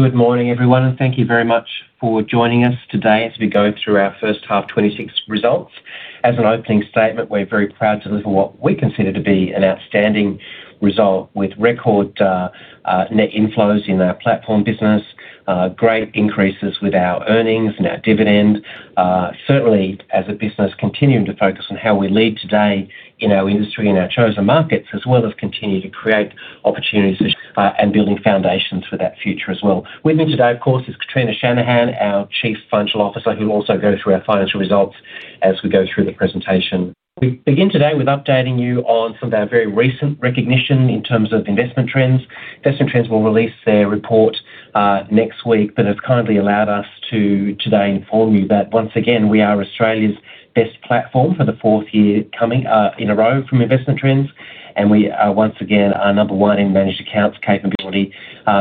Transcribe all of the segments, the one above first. Good morning, everyone, and thank you very much for joining us today as we go through our first half 26 results. As an opening statement, we're very proud to deliver what we consider to be an outstanding result with record net inflows in our platform business, great increases with our earnings and our dividend. Certainly as a business, continuing to focus on how we lead today in our industry, in our chosen markets, as well as continue to create opportunities, and building foundations for that future as well. With me today, of course, is Kitrina Shanahan, our Chief Financial Officer, who will also go through our financial results as we go through the presentation. We begin today with updating you on some of our very recent recognition in terms of Investment Trends. Investment Trends will release their report next week, but has kindly allowed us to today inform you that once again, we are Australia's best platform for the fourth year coming in a row from Investment Trends. We are once again are number one in managed accounts capability,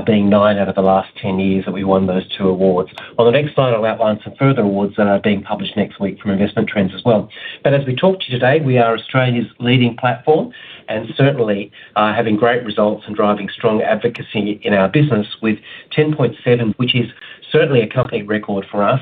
being nine out of the last 10 years that we won those two awards. On the next slide, I'll outline some further awards that are being published next week from Investment Trends as well. As we talk to you today, we are Australia's leading platform and certainly having great results and driving strong advocacy in our business with 10.7, which is certainly a company record for us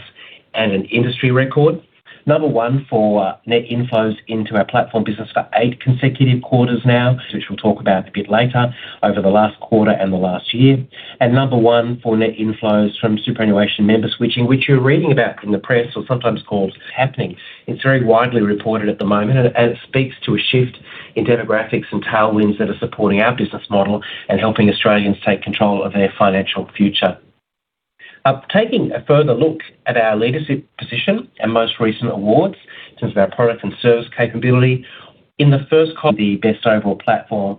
and an industry record. Number one, for net inflows into our platform business for eight consecutive quarters now, which we'll talk about a bit later over the last quarter and the last year. And number one, for net inflows from superannuation member switching, which you're reading about in the press or sometimes called stapling. It's very widely reported at the moment, and it speaks to a shift in demographics and tailwinds that are supporting our business model and helping Australians take control of their financial future. Taking a further look at our leadership position and most recent awards, in terms of our product and service capability. In the first column, the best overall platform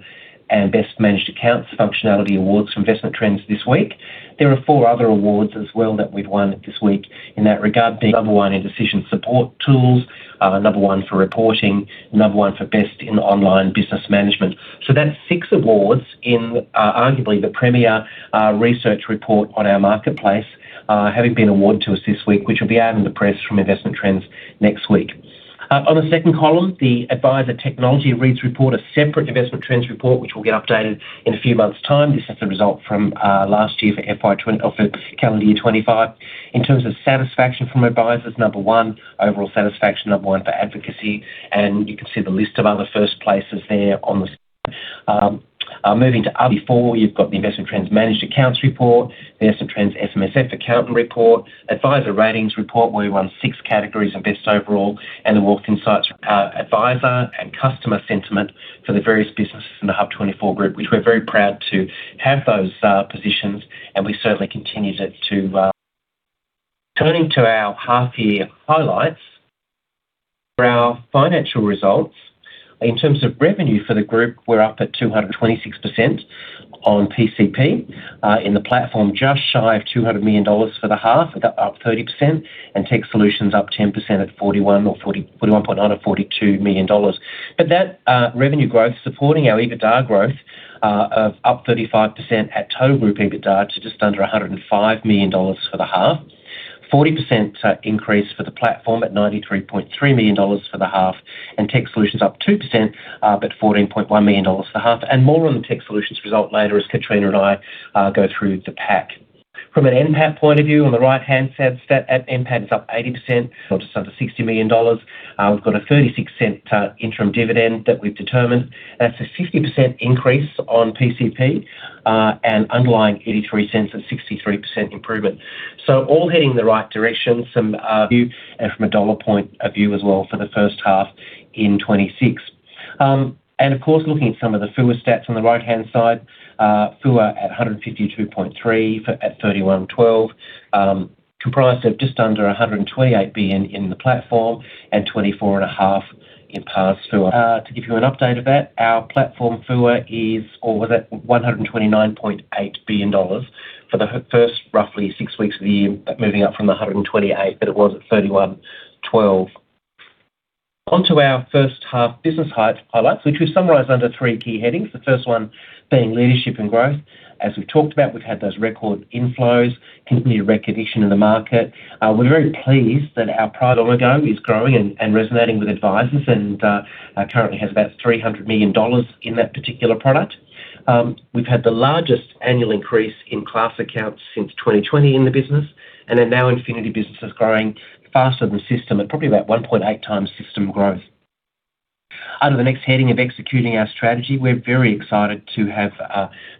and best managed accounts functionality awards from Investment Trends this week. There are four other awards as well that we've won this week in that regard, being number one in decision support tools, number one for reporting, number one for best in online business management. So that's six awards in, arguably the premier, research report on our marketplace, having been awarded to us this week, which will be out in the press from Investment Trends next week. On the second column, the Adviser Technology Needs Report, a separate Investment Trends report, which will get updated in a few months' time. This is the result from, last year for FY 2020. Of the calendar year 2025. In terms of satisfaction from advisers, number one, overall satisfaction, number one for advocacy, and you can see the list of other first places there on the. Moving to other four, you've got the Investment Trends Managed Accounts Report, the Investment Trends SMSF Accountant Report, Adviser Ratings Report, where we won six categories and best overall, and the Wealth Insights, Adviser and Customer Sentiment for the various businesses in the HUB24 Group, which we're very proud to have those positions, and we certainly continue to... Turning to our half-year highlights for our financial results. In terms of revenue for the group, we're up at 226% on PCP. In the platform, just shy of 200 million dollars for the half, up 30%, and Tech Solutions up 10% at 41 or 41.9 or 42 million dollars. But that revenue growth supporting our EBITDA growth of up 35% at total group EBITDA to just under 105 million dollars for the half. 40% increase for the platform at 93.3 million dollars for the half. Tech Solutions up 2%, but 14.1 million dollars for half, and more on the Tech Solutions result later as Kitrina and I go through the pack. From an NPAT point of view, on the right-hand side, stat at NPAT is up 80%, so just under 60 million dollars. We've got a 36-cent interim dividend that we've determined. That's a 50% increase on PCP, and underlying 0.83 and 63% improvement. So all heading in the right direction, some view and from a dollar point of view as well for the first half in 2026. Of course, looking at some of the FUA stats on the right-hand side, FUA at 152.3 billion at 31 December, comprised of just under 128 billion in the platform and 24.5 billion in wrap FUA. To give you an update of that, our platform FUA is over 129.8 billion dollars for the first roughly six weeks of the year, but moving up from the 128 that it was at 31 December. On to our first half business highlights, which we summarize under three key headings, the first one being leadership and growth. As we've talked about, we've had those record inflows, continued recognition in the market. We're very pleased that our product logo is growing and, and resonating with advisers and, currently has about 300 million dollars in that particular product. We've had the largest annual increase in Class accounts since 2020 in the business, and then NowInfinity business is growing faster than system, at probably about 1.8 times system growth. Under the next heading of executing our strategy, we're very excited to have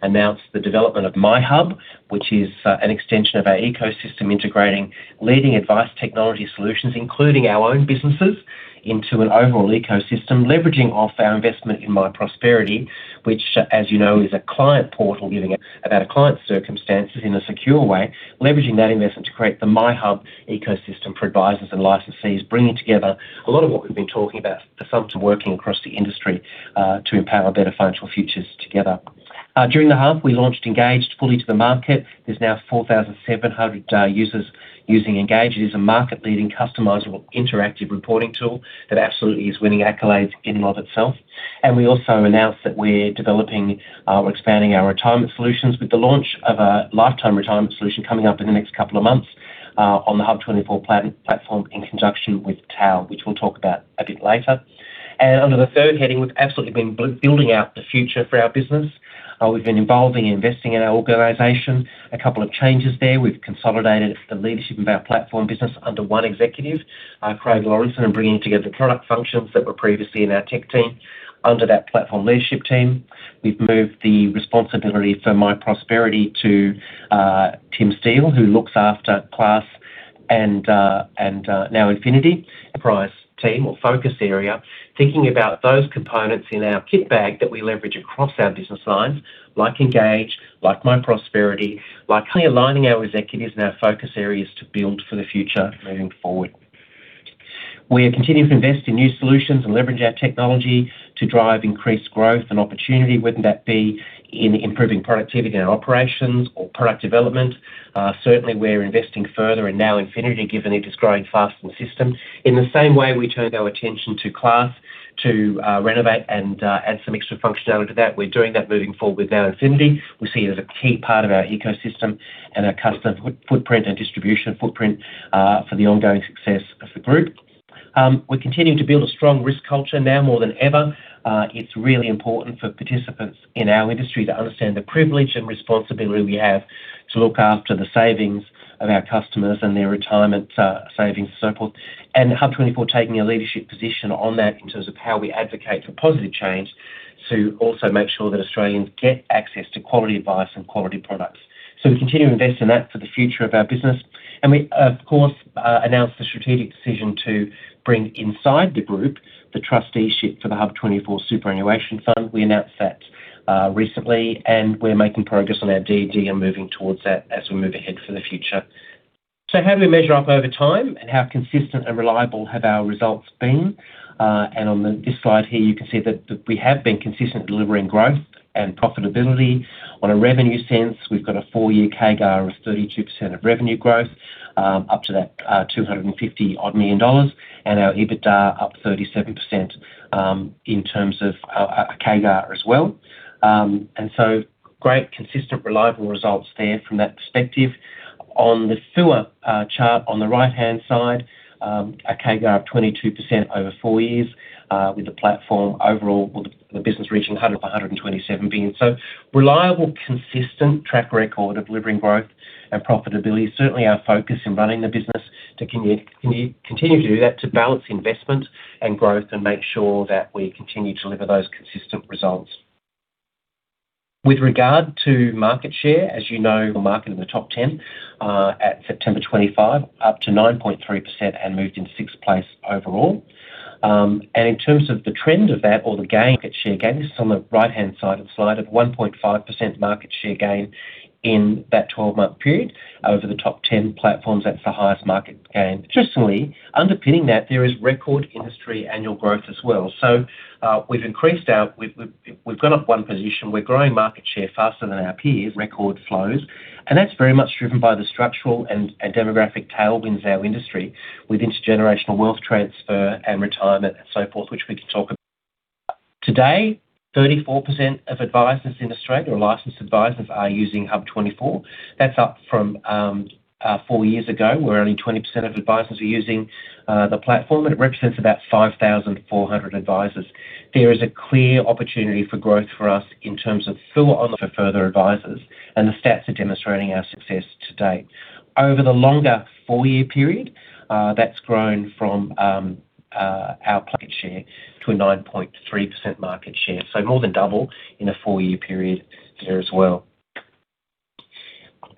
announced the development of MyHUB, which is an extension of our ecosystem, integrating leading advice technology solutions, including our own businesses, into an overall ecosystem, leveraging off our investment in MyProsperity, which, as you know, is a client portal, giving about a client's circumstances in a secure way, leveraging that investment to create the MyHUB ecosystem for advisers and licensees, bringing together a lot of what we've been talking about, the sum to working across the industry to empower better financial futures together. During the half, we launched Engage fully to the market. There's now 4,700 users using Engage. It is a market-leading, customizable, interactive reporting tool that absolutely is winning accolades in and of itself. We also announced that we're developing or expanding our retirement solutions with the launch of a lifetime retirement solution coming up in the next couple of months on the HUB24 platform in conjunction with TAL, which we'll talk about a bit later. And under the third heading, we've absolutely been building out the future for our business. We've been involving and investing in our organization. A couple of changes there. We've consolidated the leadership of our platform business under one executive, Craig Lawrenson, and bringing together product functions that were previously in our tech team. Under that platform leadership team, we've moved the responsibility for MyProsperity to Tim Steele, who looks after Class and NowInfinity. Enterprise team or focus area, thinking about those components in our kit bag that we leverage across our business lines, like Engage, like MyProsperity, like Class aligning our executives and our focus areas to build for the future moving forward. We are continuing to invest in new solutions and leverage our technology to drive increased growth and opportunity, whether that be in improving productivity in our operations or product development. Certainly, we're investing further in NowInfinity, given it is growing faster than the system. In the same way we turned our attention to Class too, renovate and add some extra functionality to that. We're doing that moving forward with our NowInfinity. We see it as a key part of our ecosystem and our customer footprint and distribution footprint for the ongoing success of the group. We're continuing to build a strong risk culture now more than ever. It's really important for participants in our industry to understand the privilege and responsibility we have to look after the savings of our customers and their retirement savings, and so forth. HUB24 taking a leadership position on that in terms of how we advocate for positive change, to also make sure that Australians get access to quality advice and quality products. We continue to invest in that for the future of our business, and we, of course, announced the strategic decision to bring inside the group, the trusteeship for the HUB24 Superannuation Fund. We announced that recently, and we're making progress on our DD and moving towards that as we move ahead for the future. So how do we measure up over time, and how consistent and reliable have our results been? On the, this slide here, you can see that, that we have been consistent delivering growth and profitability. On a revenue sense, we've got a four-year CAGR of 32% of revenue growth, up to that, two hundred and fifty odd million dollars, and our EBITDA up 37%, in terms of, a CAGR as well. So great, consistent, reliable results there from that perspective. On the FUA chart on the right-hand side, a CAGR of 22% over four years, with the platform overall, or the business reaching a hundred and twenty-seven billion. So reliable, consistent track record of delivering growth and profitability. Certainly, our focus in running the business to continue to do that, to balance investment and growth and make sure that we continue to deliver those consistent results. With regard to market share, as you know, the market in the top ten at September 25, up to 9.3% and moved in sixth place overall. And in terms of the trend of that or the gain at share gain, this is on the right-hand side of the slide, at 1.5% market share gain in that 12-month period. Over the top ten platforms, that's the highest market gain. Interestingly, underpinning that there is record industry annual growth as well. So, we've gone up one position. We're growing market share faster than our peers, record flows, and that's very much driven by the structural and demographic tailwinds in our industry with intergenerational wealth transfer and retirement and so forth, which we can talk about. Today, 34% of advisers in Australia, or licensed advisers, are using HUB24. That's up from four years ago, where only 20% of advisers were using the platform, and it represents about 5,400 advisers. There is a clear opportunity for growth for us in terms of FUA for further advisers, and the stats are demonstrating our success to date. Over the longer 4-year period, that's grown from our market share to a 9.3% market share. So more than double in a 4-year period there as well.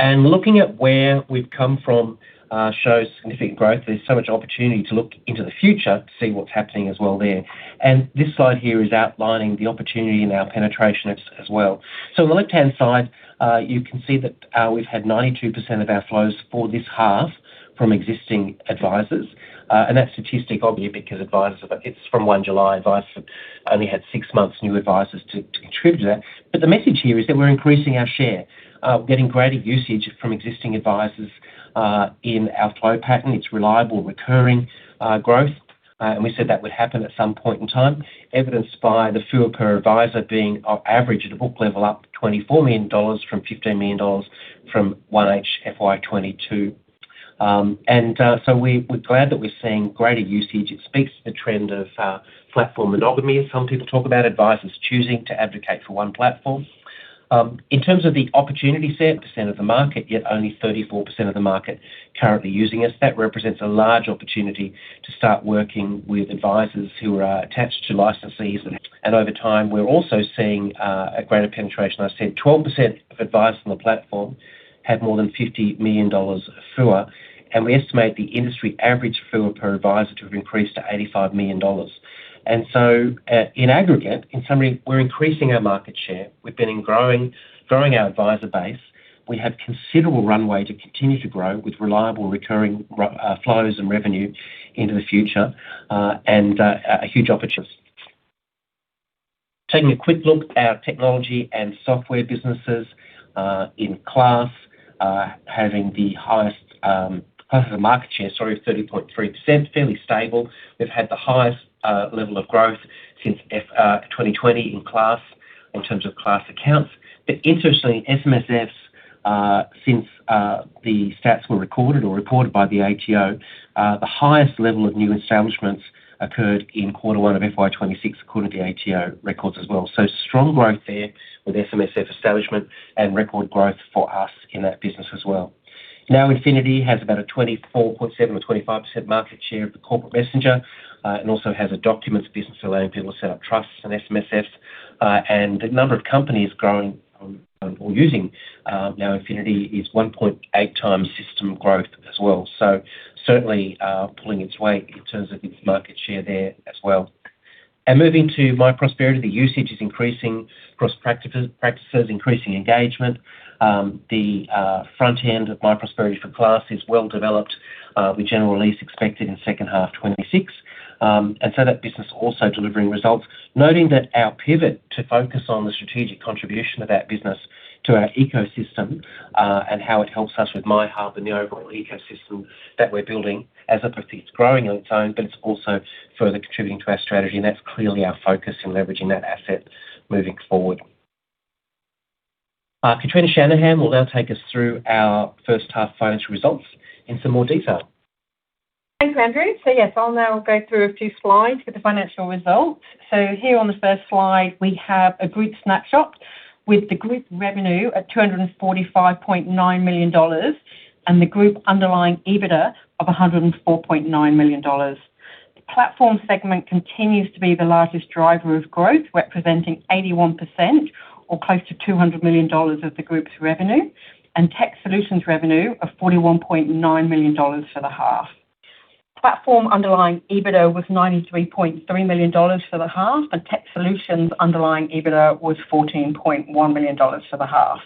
Looking at where we've come from shows significant growth. There's so much opportunity to look into the future to see what's stapling as well there. And this slide here is outlining the opportunity in our penetration as well. So on the left-hand side, you can see that we've had 92% of our flows for this half from existing advisers. And that statistic, obviously, because advisers, it's from 1 July, advisers only had six months, new advisers, to contribute to that. But the message here is that we're increasing our share, we're getting greater usage from existing advisers, in our flow pattern. It's reliable, recurring, growth, and we said that would happen at some point in time, evidenced by the FUA per adviser being on average at a book level up 24 million dollars from 15 million dollars from 1H FY22. We're glad that we're seeing greater usage. It speaks to the trend of platform monogamy, as some people talk about, advisers choosing to advocate for one platform. In terms of the opportunity set, percent of the market, yet only 34% of the market currently using us, that represents a large opportunity to start working with advisers who are attached to licensees. And over time, we're also seeing a greater penetration. I said 12% of advisers on the platform had more than 50 million dollars of FUA, and we estimate the industry average FUA per adviser to have increased to 85 million dollars. And so, in aggregate, in summary, we're increasing our market share. We've been growing our adviser base. We have considerable runway to continue to grow with reliable recurring grow flows and revenue into the future and a huge opportunity. Taking a quick look at our technology and software businesses in Class having the highest market share, sorry, 30.3%, fairly stable. We've had the highest level of growth since 2020 in Class in terms of Class accounts. But interestingly, SMSFs since the stats were recorded or reported by the ATO the highest level of new establishments occurred in quarter 1 of FY 2026, according to the ATO records as well. So strong growth there with SMSF establishment and record growth for us in that business as well. NowInfinity has about a 24.7 or 25% market share of the corporate messenger, and also has a documents business allowing people to set up trusts and SMSFs. And the number of companies growing, or using, NowInfinity is 1.8x system growth as well. So certainly, pulling its weight in terms of its market share there as well. And moving to MyProsperity, the usage is increasing across practices, increasing engagement. The front end of MyProsperity for Class is well developed, with general release expected in second half 2026. That business also delivering results, noting that our pivot to focus on the strategic contribution of that business to our ecosystem, and how it helps us with MyHUB and the overall ecosystem that we're building as it proceeds, growing on its own, but it's also further contributing to our strategy, and that's clearly our focus in leveraging that asset moving forward. Kitrina Shanahan will now take us through our first half financial results in some more detail. Thanks, Andrew. So yes, I'll now go through a few slides with the financial results. So here on the first slide, we have a group snapshot with the group revenue at 245.9 million dollars and the group underlying EBITDA of 104.9 million dollars. The platform segment continues to be the largest driver of growth, representing 81% or close to 200 million dollars of the group's revenue, and tech solutions revenue of 41.9 million dollars for the half. Platform underlying EBITDA was 93.3 million dollars for the half, and tech solutions underlying EBITDA was 14.1 million dollars for the half.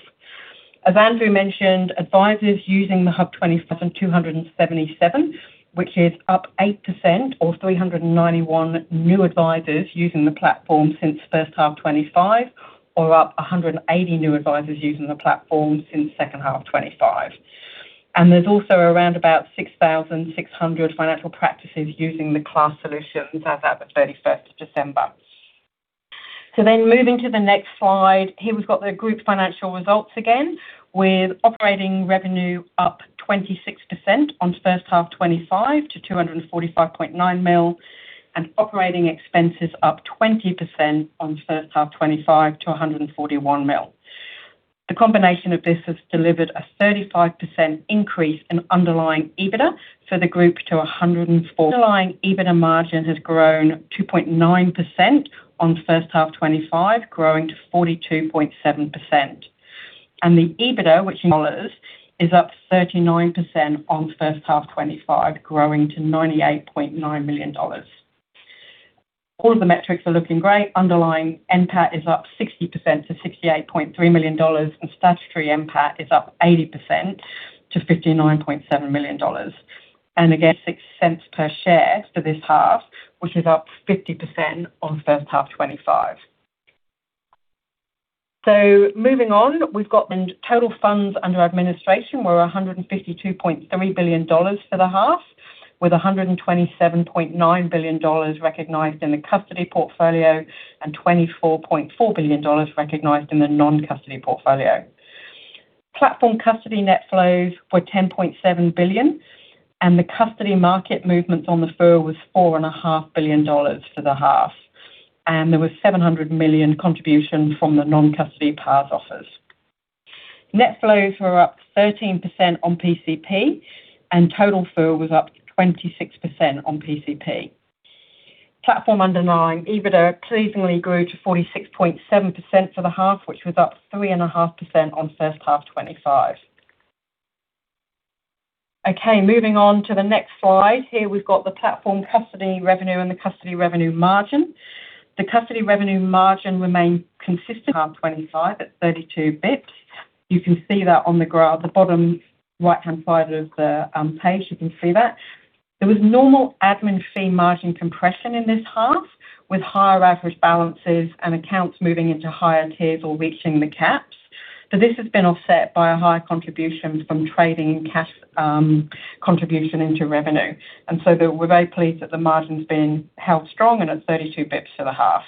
As Andrew mentioned, advisers using the HUB24 platform are 277, which is up 8% or 391 new advisers using the platform since first half 2025, or up 180 new advisers using the platform since second half 2025. There's also around about 6,600 financial practices using the Class solutions as at the 31st of December. Moving to the next slide. Here, we've got the group's financial results again, with operating revenue up 26% on first half 2025 to 245.9 million and operating expenses up 20% on first half 2025 to 141 million. The combination of this has delivered a 35% increase in underlying EBITDA for the group to 104 million. Underlying EBITDA margin has grown 2.9% on first half 2025, growing to 42.7%. The EBITDA is up 39% on first half 2025, growing to 98.9 million dollars. All of the metrics are looking great. Underlying NPAT is up 60% to 68.3 million dollars, and statutory NPAT is up 80% to 59.7 million dollars. Again, 0.06 per share for this half, which is up 50% on first half 2025. Moving on, we've got the total funds under administration, were 152.3 billion dollars for the half, with 127.9 billion dollars recognized in the custody portfolio and 24.4 billion dollars recognized in the non-custody portfolio. Platform custody net flows were 10.7 billion, and the custody market movements on the FUM was 4.5 billion dollars for the half, and there was 700 million contribution from the non-custody pass offers. Net flows were up 13% on PCP, and total FUM was up 26% on PCP. Platform underlying EBITDA pleasingly grew to 46.7% for the half, which was up 3.5% on first half 2025. Okay, moving on to the next slide. Here, we've got the platform custody revenue and the custody revenue margin. The custody revenue margin remained consistent, half 2025 at 32 basis points. You can see that on the graph, the bottom right-hand side of the, page, you can see that. There was normal admin fee margin compression in this half, with higher average balances and accounts moving into higher tiers or reaching the caps. So this has been offset by a higher contribution from trading and cash contribution into revenue. And so we're very pleased that the margin's been held strong and at 32 basis points for the half.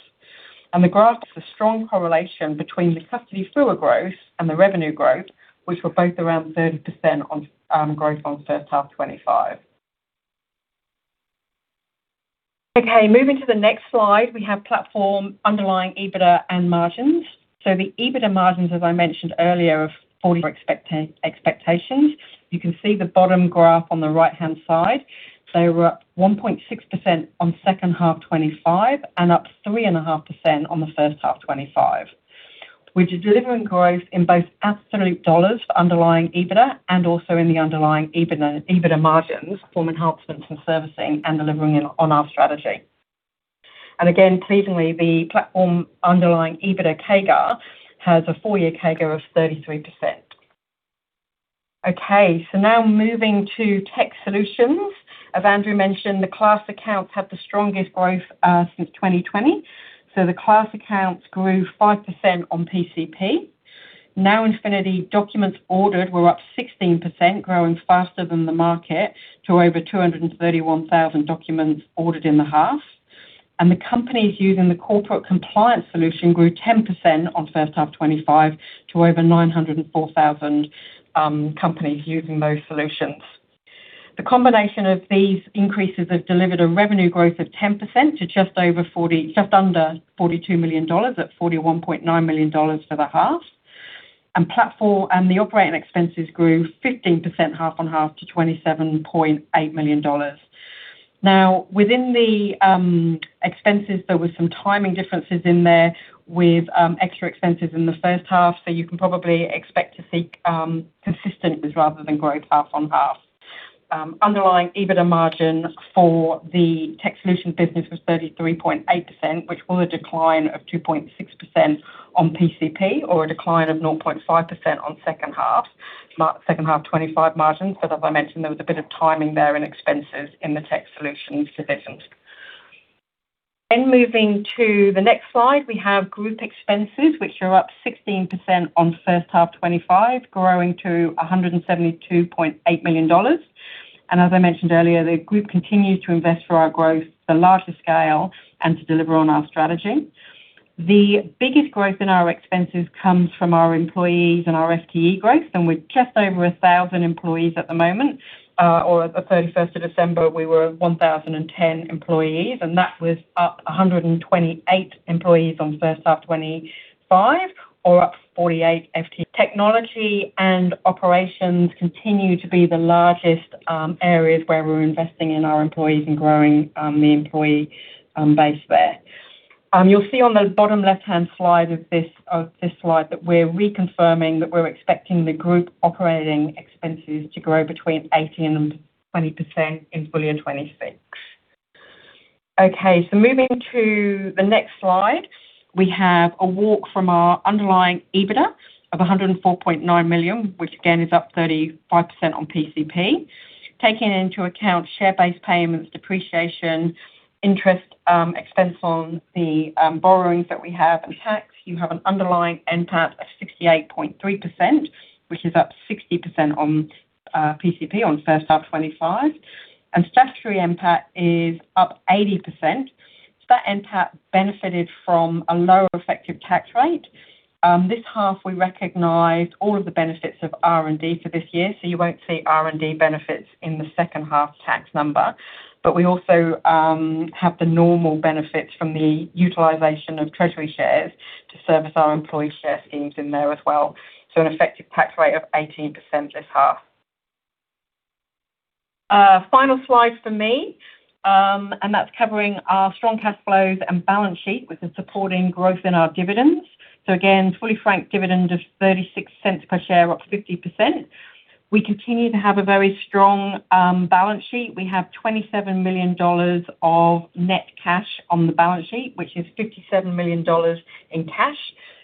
And the graph is a strong correlation between the custody FUM growth and the revenue growth, which were both around 30% on growth on first half 2025. Okay, moving to the next slide, we have platform underlying EBITDA and margins. So the EBITDA margins, as I mentioned earlier, of 40 expectations. You can see the bottom graph on the right-hand side. So we're up 1.6% on second half 2025 and up 3.5% on the first half 2025, which is delivering growth in both absolute dollars for underlying EBITDA and also in the underlying EBITDA, EBITDA margins, form enhancements and servicing and delivering on our strategy. And again, pleasingly, the platform underlying EBITDA CAGR has a 4-year CAGR of 33%. Okay, so now moving to tech solutions. As Andrew mentioned, the Class accounts had the strongest growth since 2020. So the Class accounts grew 5% on PCP. NowInfinity documents ordered were up 16%, growing faster than the market, to over 231,000 documents ordered in the half. And the companies using the corporate compliance solution grew 10% on first half 2025 to over 904,000 companies using those solutions. The combination of these increases have delivered a revenue growth of 10% to just under 42 million dollars, at 41.9 million dollars for the half. Platform and the operating expenses grew 15% half-on-half to 27.8 million dollars. Now, within the expenses, there were some timing differences in there with extra expenses in the first half, so you can probably expect to see consistencies rather than growth half-on-half. Underlying EBITDA margin for the tech solution business was 33.8%, which was a decline of 2.6% on PCP, or a decline of 0.5% on second half 2025 margins. But as I mentioned, there was a bit of timing there in expenses in the tech solutions division. Moving to the next slide, we have group expenses, which are up 16% on first half 2025, growing to 172.8 million dollars. As I mentioned earlier, the group continues to invest for our growth, the larger scale, and to deliver on our strategy. The biggest growth in our expenses comes from our employees and our FTE growth, and we're just over 1,000 employees at the moment. Or at the thirty-first of December, we were 1,010 employees, and that was up 128 employees on first half 2025 or up 48 FTE. Technology and operations continue to be the largest areas where we're investing in our employees and growing the employee base there. You'll see on the bottom left-hand slide of this slide that we're reconfirming that we're expecting the group operating expenses to grow between 18% and 20% in full year 2026. Okay, so moving to the next slide. We have a walk from our underlying EBITDA of 104.9 million, which again, is up 35% on PCP. Taking into account share-based payments, depreciation, interest, expense on the borrowings that we have and tax, you have an underlying NPAT of 68.3%, which is up 60% on PCP on first half 2025. Statutory NPAT is up 80%. So that NPAT benefited from a lower effective tax rate. This half, we recognized all of the benefits of R&D for this year, so you won't see R&D benefits in the second half tax number. But we also have the normal benefits from the utilization of treasury shares to service our employee share schemes in there as well. So an effective tax rate of 18% this half. Final slide for me, and that's covering our strong cash flows and balance sheet, which is supporting growth in our dividends. So again, fully franked dividend of 0.36 per share, up 50%. We continue to have a very strong balance sheet. We have 27 million dollars of net cash on the balance sheet, which is 57 million dollars in cash,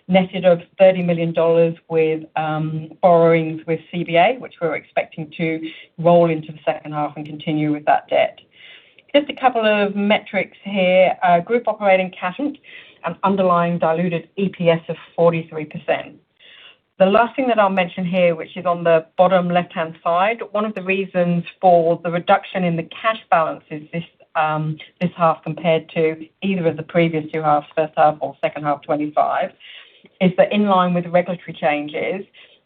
netted of 30 million dollars with borrowings with CBA, which we're expecting to roll into the second half and continue with that debt. Just a couple of metrics here. Group operating cash and underlying diluted EPS of 43%. The last thing that I'll mention here, which is on the bottom left-hand side, one of the reasons for the reduction in the cash balances this, this half compared to either of the previous two halves, first half or second half 2025, is that in line with regulatory changes,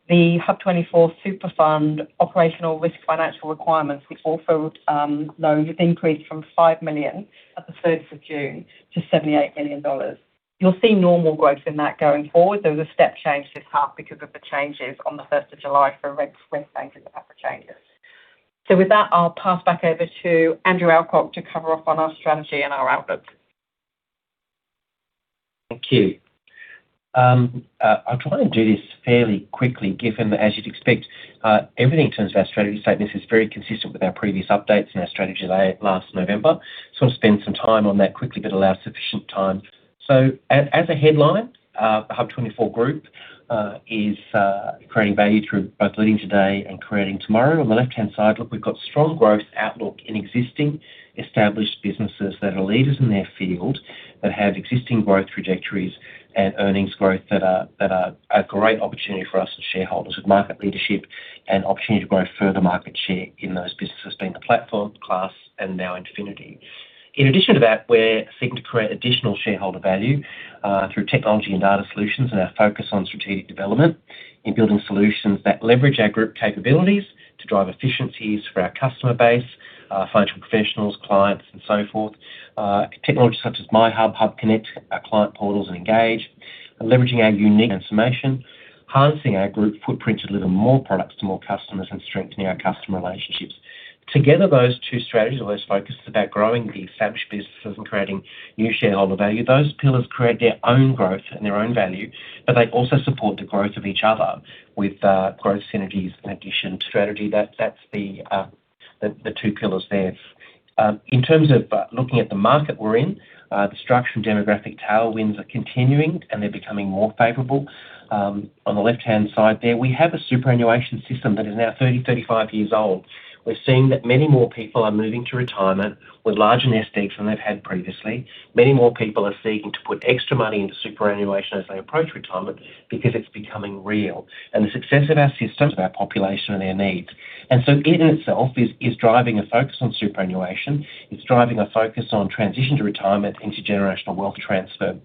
the HUB24 Super Fund operational risk financial requirements, which also have increased from 5 million at the third of June to 78 million dollars. You'll see normal growth in that going forward. There was a step change this half because of the changes on the first of July for regulatory changes. So with that, I'll pass back over to Andrew Alcock to cover off on our strategy and our outlook. Thank you. I'll try and do this fairly quickly, given that as you'd expect, everything in terms of our strategy statement is very consistent with our previous updates and our strategy day last November. So I'll spend some time on that quickly, but allow sufficient time. So as a headline, the HUB24 Group is creating value through both leading today and creating tomorrow. On the left-hand side, look, we've got strong growth outlook in existing established businesses that are leaders in their field, that have existing growth trajectories and earnings growth that are a great opportunity for us as shareholders, with market leadership and opportunity to grow further market share in those businesses, being the Platform, Class, and NowInfinity. In addition to that, we're seeking to create additional shareholder value through technology and data solutions and our focus on strategic development in building solutions that leverage our group capabilities to drive efficiencies for our customer base, financial professionals, clients, and so forth. Technologies such as MyHUB, HUBconnect, our client portals, and Engage are leveraging our unique information, enhancing our group footprint to deliver more products to more customers and strengthening our customer relationships. Together, those two strategies are less focused about growing the established businesses and creating new shareholder value. Those pillars create their own growth and their own value, but they also support the growth of each other with growth synergies and addition strategy. That's the two pillars there. In terms of looking at the market we're in, the structural demographic tailwinds are continuing, and they're becoming more favorable. On the left-hand side there, we have a superannuation system that is now 30-35 years old. We're seeing that many more people are moving to retirement with larger nest eggs than they've had previously. Many more people are seeking to put extra money into superannuation as they approach retirement because it's becoming real, and the success of our system is our population and their needs. And so it in itself is driving a focus on superannuation. It's driving a focus on transition to retirement, intergenerational wealth transfer,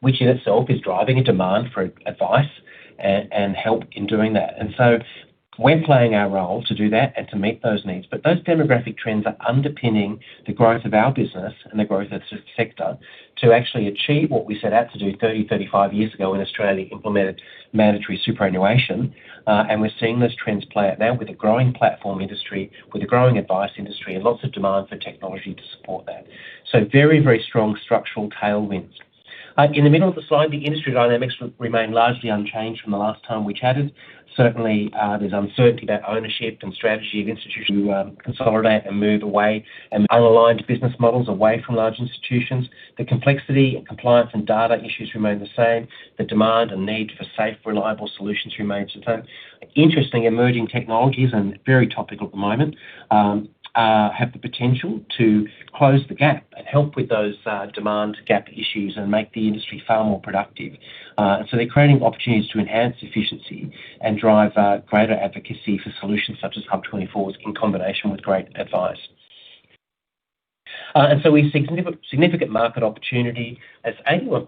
which in itself is driving a demand for advice and help in doing that. And so we're playing our role to do that and to meet those needs. But those demographic trends are underpinning the growth of our business and the growth of the sector to actually achieve what we set out to do 30-35 years ago, when Australia implemented mandatory superannuation. And we're seeing those trends play out now with a growing platform industry, with a growing advice industry, and lots of demand for technology to support that. So very, very strong structural tailwinds. In the middle of the slide, the industry dynamics remain largely unchanged from the last time we chatted. Certainly, there's uncertainty about ownership and strategy of institutions to consolidate and move away unaligned business models away from large institutions. The complexity, compliance, and data issues remain the same. The demand and need for safe, reliable solutions remains the same. Interesting emerging technologies and very topical at the moment have the potential to close the gap and help with those demand gap issues and make the industry far more productive. So they're creating opportunities to enhance efficiency and drive greater advocacy for solutions such as HUB24 in combination with great advice. And so we've significant, significant market opportunity, as 81%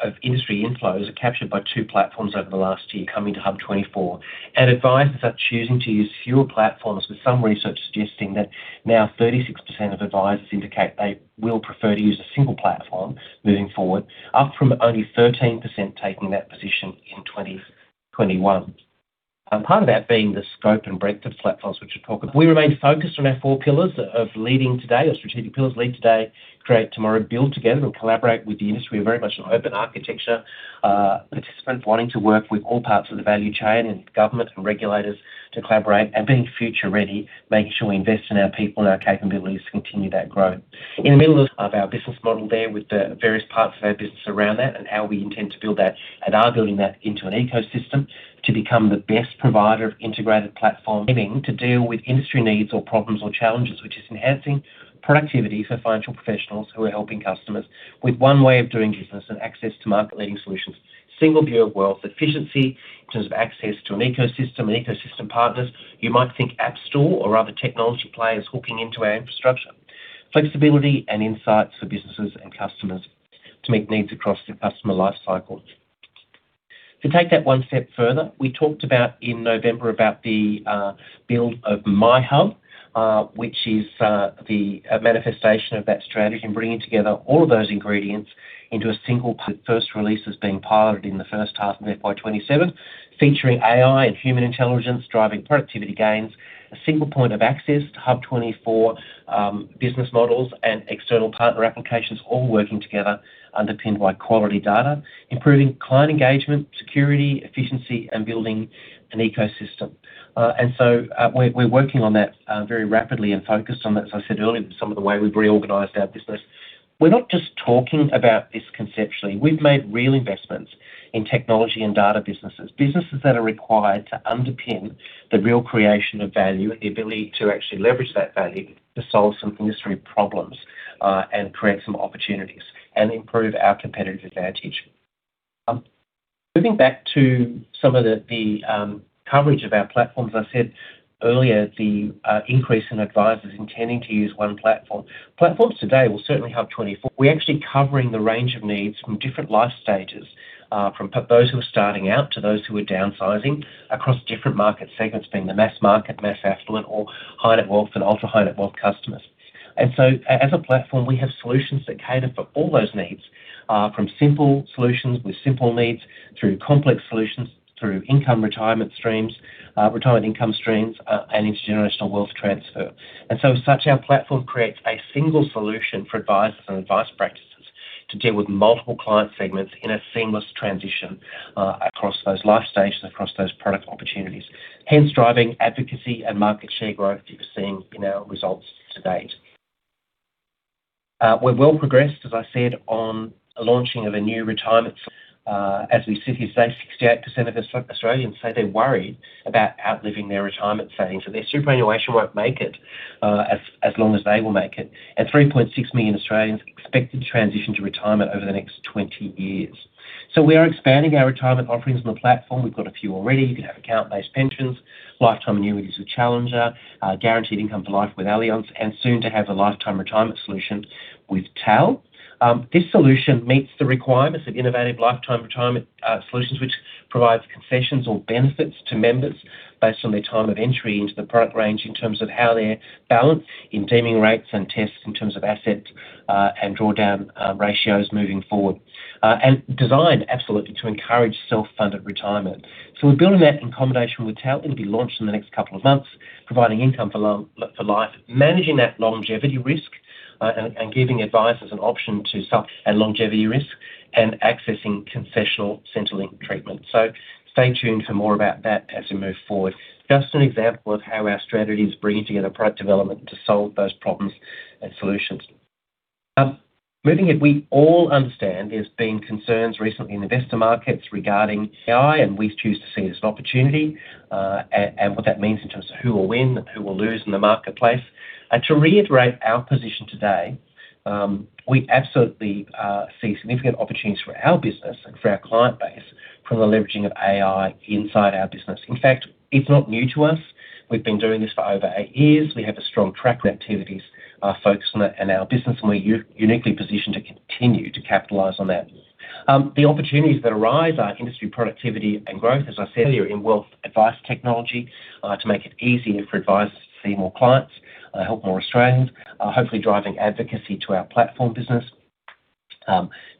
of industry inflows are captured by two platforms over the last year coming to HUB24. And advisers are choosing to use fewer platforms, with some research suggesting that now 36% of advisers indicate they will prefer to use a single platform moving forward, up from only 13% taking that position in 2021. Part of that being the scope and breadth of platforms, which we'll talk about. We remain focused on our four pillars of leading today. Our strategic pillars: lead today, create tomorrow, build together, and collaborate with the industry. We're very much an open architecture participant, wanting to work with all parts of the value chain and government and regulators to collaborate, and being future-ready, making sure we invest in our people and our capabilities to continue that growth. In the middle of our business model there, with the various parts of our business around that and how we intend to build that, and are building that into an ecosystem to become the best provider of integrated platform. Aiming to deal with industry needs or problems or challenges, which is enhancing productivity for financial professionals who are helping customers. With one way of doing business and access to market-leading solutions. Single view of wealth, efficiency, in terms of access to an ecosystem and ecosystem partners. You might think app store or other technology players hooking into our infrastructure. Flexibility and insights for businesses and customers to meet needs across the customer life cycles. To take that one step further, we talked about in November about the build of MyHUB, which is the manifestation of that strategy and bringing together all of those ingredients into a single pl- first release is being piloted in the first half of FY 2027, featuring AI and human intelligence, driving productivity gains, a single point of access to HUB24, business models and external partner applications, all working together, underpinned by quality data, improving client engagement, security, efficiency, and building an ecosystem. And so, we're working on that very rapidly and focused on that. As I said earlier, some of the way we've reorganized our business. We're not just talking about this conceptually. We've made real investments in technology and data businesses. Businesses that are required to underpin the real creation of value and the ability to actually leverage that value to solve some industry problems, and create some opportunities and improve our competitive advantage. Moving back to some of the coverage of our platforms. I said earlier, the increase in advisers intending to use one platform. Platforms today will certainly HUB24. We're actually covering the range of needs from different life stages, from those who are starting out to those who are downsizing across different market segments, being the mass market, mass affluent or high-net-worth and ultra-high-net-worth customers. And so as a platform, we have solutions that cater for all those needs, from simple solutions with simple needs through complex solutions, through income retirement streams, retirement income streams, and intergenerational wealth transfer. As such, our platform creates a single solution for advisers and advice practices to deal with multiple client segments in a seamless transition across those life stages, across those product opportunities, hence driving advocacy and market share growth you're seeing in our results to date. We're well progressed, as I said, on the launching of a new retirement solution. As we sit here today, 68% of Australians say they're worried about outliving their retirement savings, so their superannuation won't make it as long as they will make it. 3.6 million Australians expect to transition to retirement over the next 20 years. We are expanding our retirement offerings on the platform. We've got a few already. You can have account-based pensions, lifetime annuities with Challenger, guaranteed income for life with Allianz, and soon to have a lifetime retirement solution with TAL. This solution meets the requirements of innovative lifetime retirement solutions, which provides concessions or benefits to members based on their time of entry into the product range, in terms of how they're balanced in deeming rates and tests, in terms of assets, and drawdown ratios moving forward. And designed absolutely to encourage self-funded retirement. So we're building that in combination with TAL. It'll be launched in the next couple of months, providing income for life, managing that longevity risk. And giving advice as an option to some and longevity risk and accessing concessional Centrelink treatment. So stay tuned for more about that as we move forward. Just an example of how our strategy is bringing together product development to solve those problems and solutions. Moving it, we all understand there's been concerns recently in investor markets regarding AI, and we choose to see it as an opportunity, and what that means in terms of who will win and who will lose in the marketplace. And to reiterate our position today, we absolutely see significant opportunities for our business and for our client base from the leveraging of AI inside our business. In fact, it's not new to us. We've been doing this for over eight years. We have a strong track activities, focused on it and our business, and we're uniquely positioned to continue to capitalize on that. The opportunities that arise are industry productivity and growth, as I said earlier, in wealth advice technology, to make it easier for advisers to see more clients, help more Australians, hopefully driving advocacy to our platform business.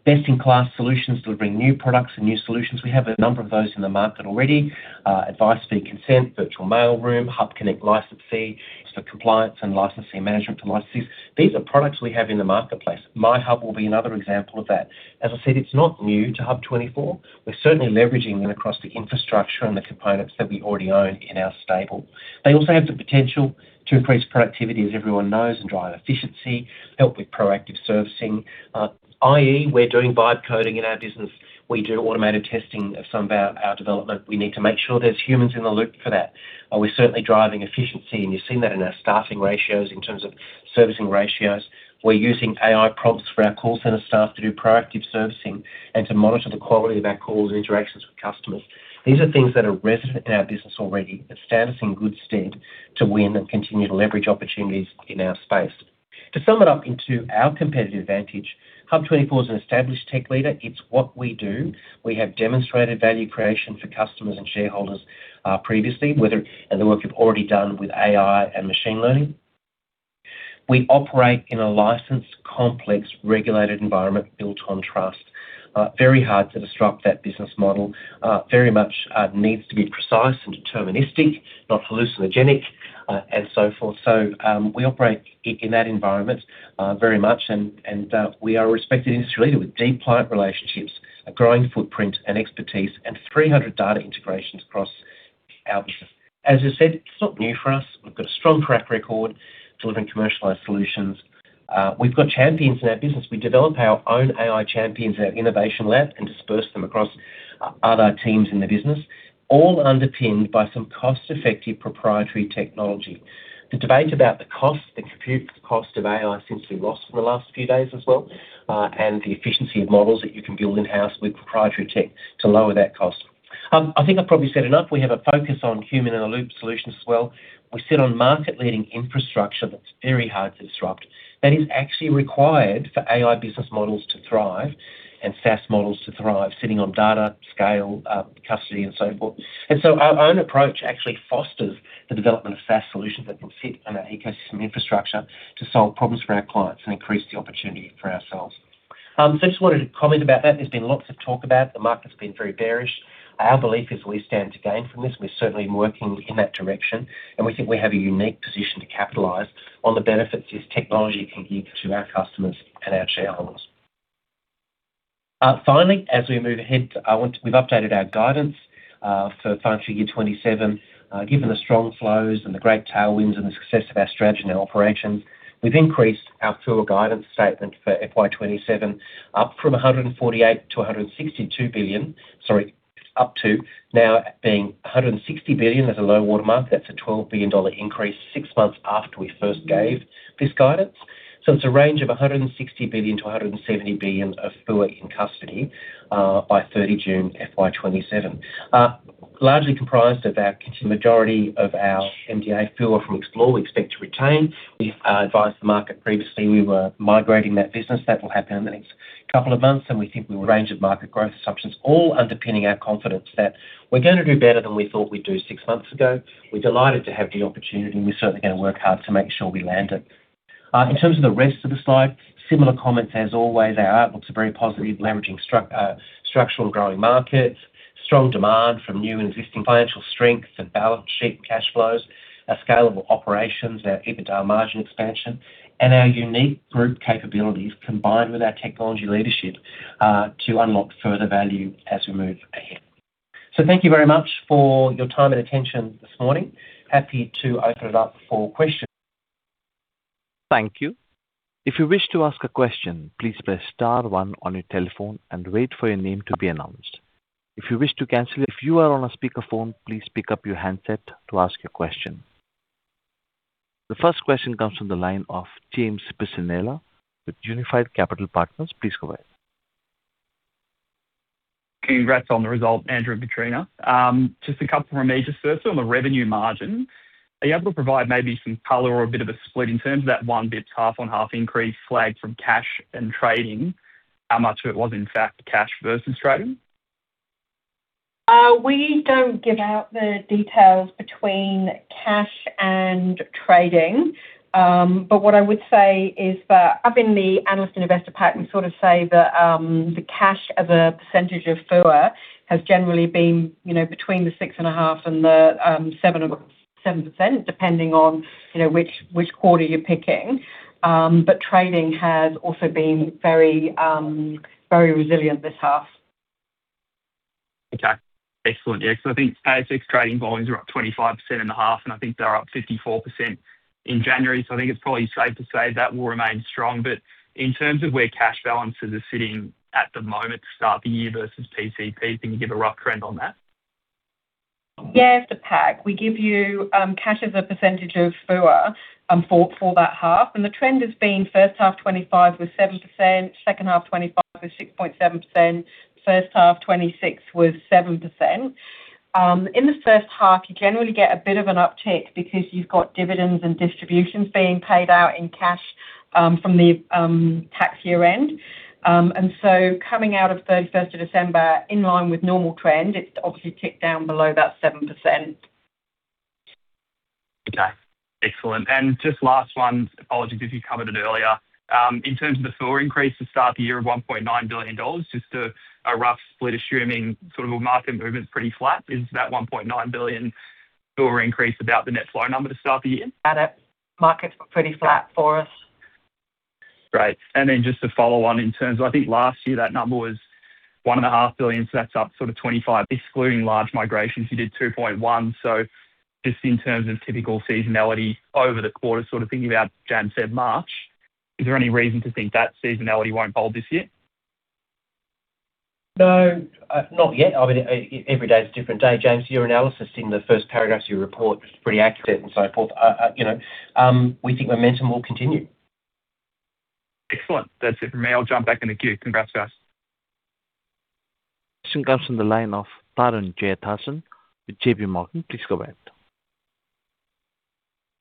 Best-in-class solutions, delivering new products and new solutions. We have a number of those in the market already. Advice, fee, consent, virtual mailroom, HUBconnect licensee, for compliance and licensee management to licensees. These are products we have in the marketplace. MyHUB will be another example of that. As I said, it's not new to HUB24. We're certainly leveraging them across the infrastructure and the components that we already own in our stable. They also have the potential to increase productivity, as everyone knows, and drive efficiency, help with proactive servicing. i.e., we're doing vibe coding in our business. We do automated testing of some of our development. We need to make sure there's humans in the loop for that. We're certainly driving efficiency, and you've seen that in our staffing ratios in terms of servicing ratios. We're using AI prompts for our call center staff to do proactive servicing and to monitor the quality of our calls and interactions with customers. These are things that are resident in our business already. It stands us in good stead to win and continue to leverage opportunities in our space. To sum it up into our competitive advantage, HUB24 is an established tech leader. It's what we do. We have demonstrated value creation for customers and shareholders, previously, whether... In the work we've already done with AI and machine learning. We operate in a licensed, complex, regulated environment built on trust. Very hard to disrupt that business model. Very much needs to be precise and deterministic, not hallucinogenic, and so forth. So, we operate in that environment, very much, and we are a respected industry leader with deep client relationships, a growing footprint and expertise, and 300 data integrations across our business. As I said, it's not new for us. We've got a strong track record delivering commercialized solutions. We've got champions in our business. We develop our own AI champions in our innovation lab and disperse them across other teams in the business, all underpinned by some cost-effective proprietary technology. The debate about the cost, the compute cost of AI, seems to be lost in the last few days as well, and the efficiency of models that you can build in-house with proprietary tech to lower that cost. I think I've probably said enough. We have a focus on human-in-the-loop solutions as well. We sit on market-leading infrastructure that's very hard to disrupt. That is actually required for AI business models to thrive and SaaS models to thrive, sitting on data, scale, custody, and so forth. And so our own approach actually fosters the development of SaaS solutions that will sit on our ecosystem infrastructure to solve problems for our clients and increase the opportunity for ourselves. So I just wanted to comment about that. There's been lots of talk about the market's been very bearish. Our belief is we stand to gain from this. We're certainly working in that direction, and we think we have a unique position to capitalize on the benefits this technology can give to our customers and our shareholders. Finally, as we move ahead, I want to-- we've updated our guidance for financial year 2027. Given the strong flows and the great tailwinds and the success of our strategy and our operations, we've increased our full guidance statement for FY 2027, up from 148 billion to 162 billion... Sorry, up to now being 160 billion as a low water mark. That's an 12 billion dollar increase six months after we first gave this guidance. So it's a range of 160 billion-170 billion of FUA in custody by 30 June 2027. Largely comprised of our-- the majority of our MDA FUA from Xplore, we expect to retain. We've advised the market previously we were migrating that business. That will happen in the next couple of months, and we think we will range of market growth assumptions, all underpinning our confidence that we're gonna do better than we thought we'd do six months ago. We're delighted to have the opportunity, and we're certainly gonna work hard to make sure we land it. In terms of the rest of the slide, similar comments as always. Our outlooks are very positive, leveraging structural and growing markets, strong demand from new and existing financial strengths and balance sheet cash flows, a scalable operations, our EBITDA margin expansion, and our unique group capabilities, combined with our technology leadership, to unlock further value as we move ahead. So thank you very much for your time and attention this morning. Happy to open it up for questions. Thank you. If you wish to ask a question, please press star one on your telephone and wait for your name to be announced. If you wish to cancel. If you are on a speakerphone, please pick up your handset to ask your question. The first question comes from the line of James Bisinella with Unified Capital Partners. Please go ahead. Congrats on the result, Andrew and Kitrina. Just a couple from me. Just first, on the revenue margin, are you able to provide maybe some color or a bit of a split in terms of that one bit, half-on-half increase flagged from cash and trading? How much of it was in fact, cash versus trading? We don't give out the details between cash and trading. But what I would say is that up in the analyst investor pack, we sort of say that, the cash as a percentage of FUA has generally been, you know, between 6.5% and 7%, depending on, you know, which, which quarter you're picking. But trading has also been very, very resilient this half. Okay, excellent. Yeah, so I think ASX trading volumes are up 25% in the half, and I think they're up 54% in January. So I think it's probably safe to say that will remain strong. But in terms of where cash balances are sitting at the moment to start the year versus PCP, can you give a rough trend on that? Yes, the pack. We give you cash as a percentage of FUA for that half. And the trend has been first half 2025 with 7%, second half 2025 with 6.7%, first half 2026 with 7%. In the first half, you generally get a bit of an uptick because you've got dividends and distributions being paid out in cash from the tax year-end. And so coming out of thirty-first of December, in line with normal trend, it's obviously ticked down below that 7%. Okay, excellent. And just last one, apologies if you covered it earlier. In terms of the FUA increase to start the year of 1.9 billion dollars, just a rough split, assuming sort of a market movement is pretty flat. Is that 1.9 billion FUA increase about the net flow number to start the year? At it. Markets were pretty flat for us. Great. Then just to follow on in terms of, I think last year that number was 1.5 billion, so that's up sort of 25. Excluding large migrations, you did 2.1 billion. So just in terms of typical seasonality over the quarter, sort of thinking about January, February, March, is there any reason to think that seasonality won't hold this year? No, not yet. I mean, every day is a different day, James. Your analysis in the first paragraph of your report was pretty accurate and so forth. You know, we think momentum will continue. Excellent. That's it for me. I'll jump back in the queue. Congrats, guys. Next comes from the line of Tarun Jayathasan with JPMorgan. Please go ahead.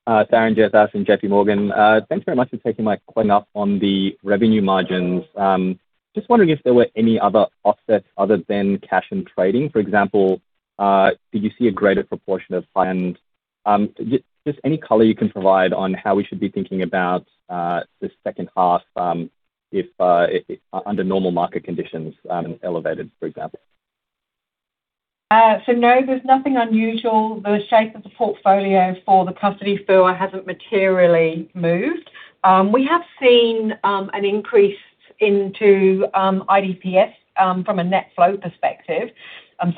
Tarun Jayathasan, JP Morgan. Thanks very much for taking my call. Now, on the revenue margins, just wondering if there were any other offsets other than cash and trading. For example, just any color you can provide on how we should be thinking about, the second half, if, under normal market conditions, elevated, for example? So no, there's nothing unusual. The shape of the portfolio for the custody FUA hasn't materially moved. We have seen an increase into IDPS from a net flow perspective.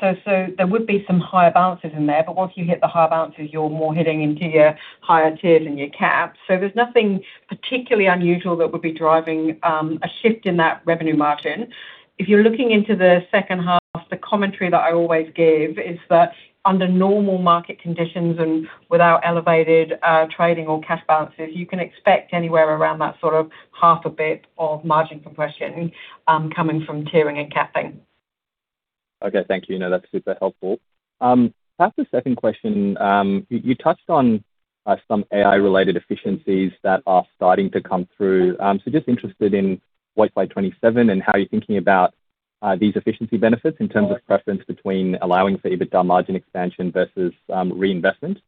So there would be some higher balances in there, but once you hit the higher balances, you're more hitting into your higher tiers and your caps. So there's nothing particularly unusual that would be driving a shift in that revenue margin. If you're looking into the second half, the commentary that I always give is that under normal market conditions and without elevated trading or cash balances, you can expect anywhere around that sort of half a bit of margin compression coming from tiering and capping. Okay, thank you. No, that's super helpful. Can I ask a second question? You touched on some AI-related efficiencies that are starting to come through. So just interested in White Label 27 and how you're thinking about these efficiency benefits in terms of preference between allowing for EBITDA margin expansion versus reinvestment?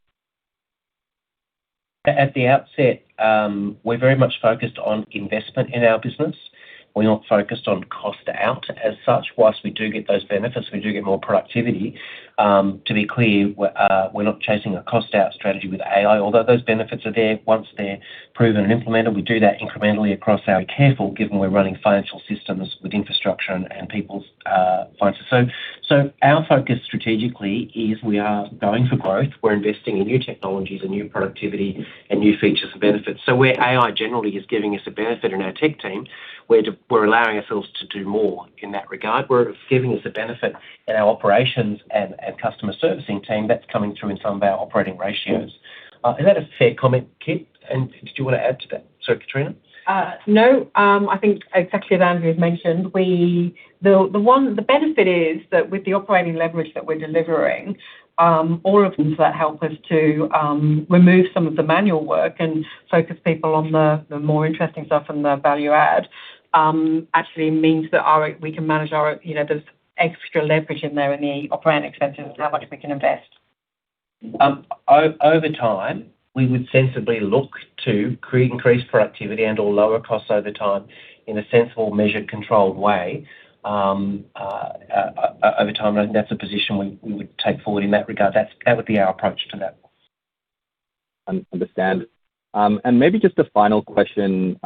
At the outset, we're very much focused on investment in our business. We're not focused on cost out as such. While we do get those benefits, we do get more productivity. To be clear, we're not chasing a cost-out strategy with AI, although those benefits are there once they're proven and implemented. We do that incrementally across our careful, given we're running financial systems with infrastructure and people's finances. Our focus strategically is we are going for growth. We're investing in new technologies and new productivity and new features and benefits. So where AI generally is giving us a benefit in our tech team, we're allowing ourselves to do more in that regard. We're giving us a benefit in our operations and customer servicing team that's coming through in some of our operating ratios. Is that a fair comment, Kit, and did you want to add to that? Sorry, Kitrina. No, I think it's actually that Andrew has mentioned. The benefit is that with the operating leverage that we're delivering, all of them that help us to remove some of the manual work and focus people on the more interesting stuff and the value add, actually means that we can manage our, you know, there's extra leverage in there in the operating expenses and how much we can invest. Over time, we would sensibly look to increase productivity and/or lower costs over time in a sensible, measured, controlled way, over time, and that's a position we would take forward in that regard. That would be our approach to that. Understand. And maybe just a final question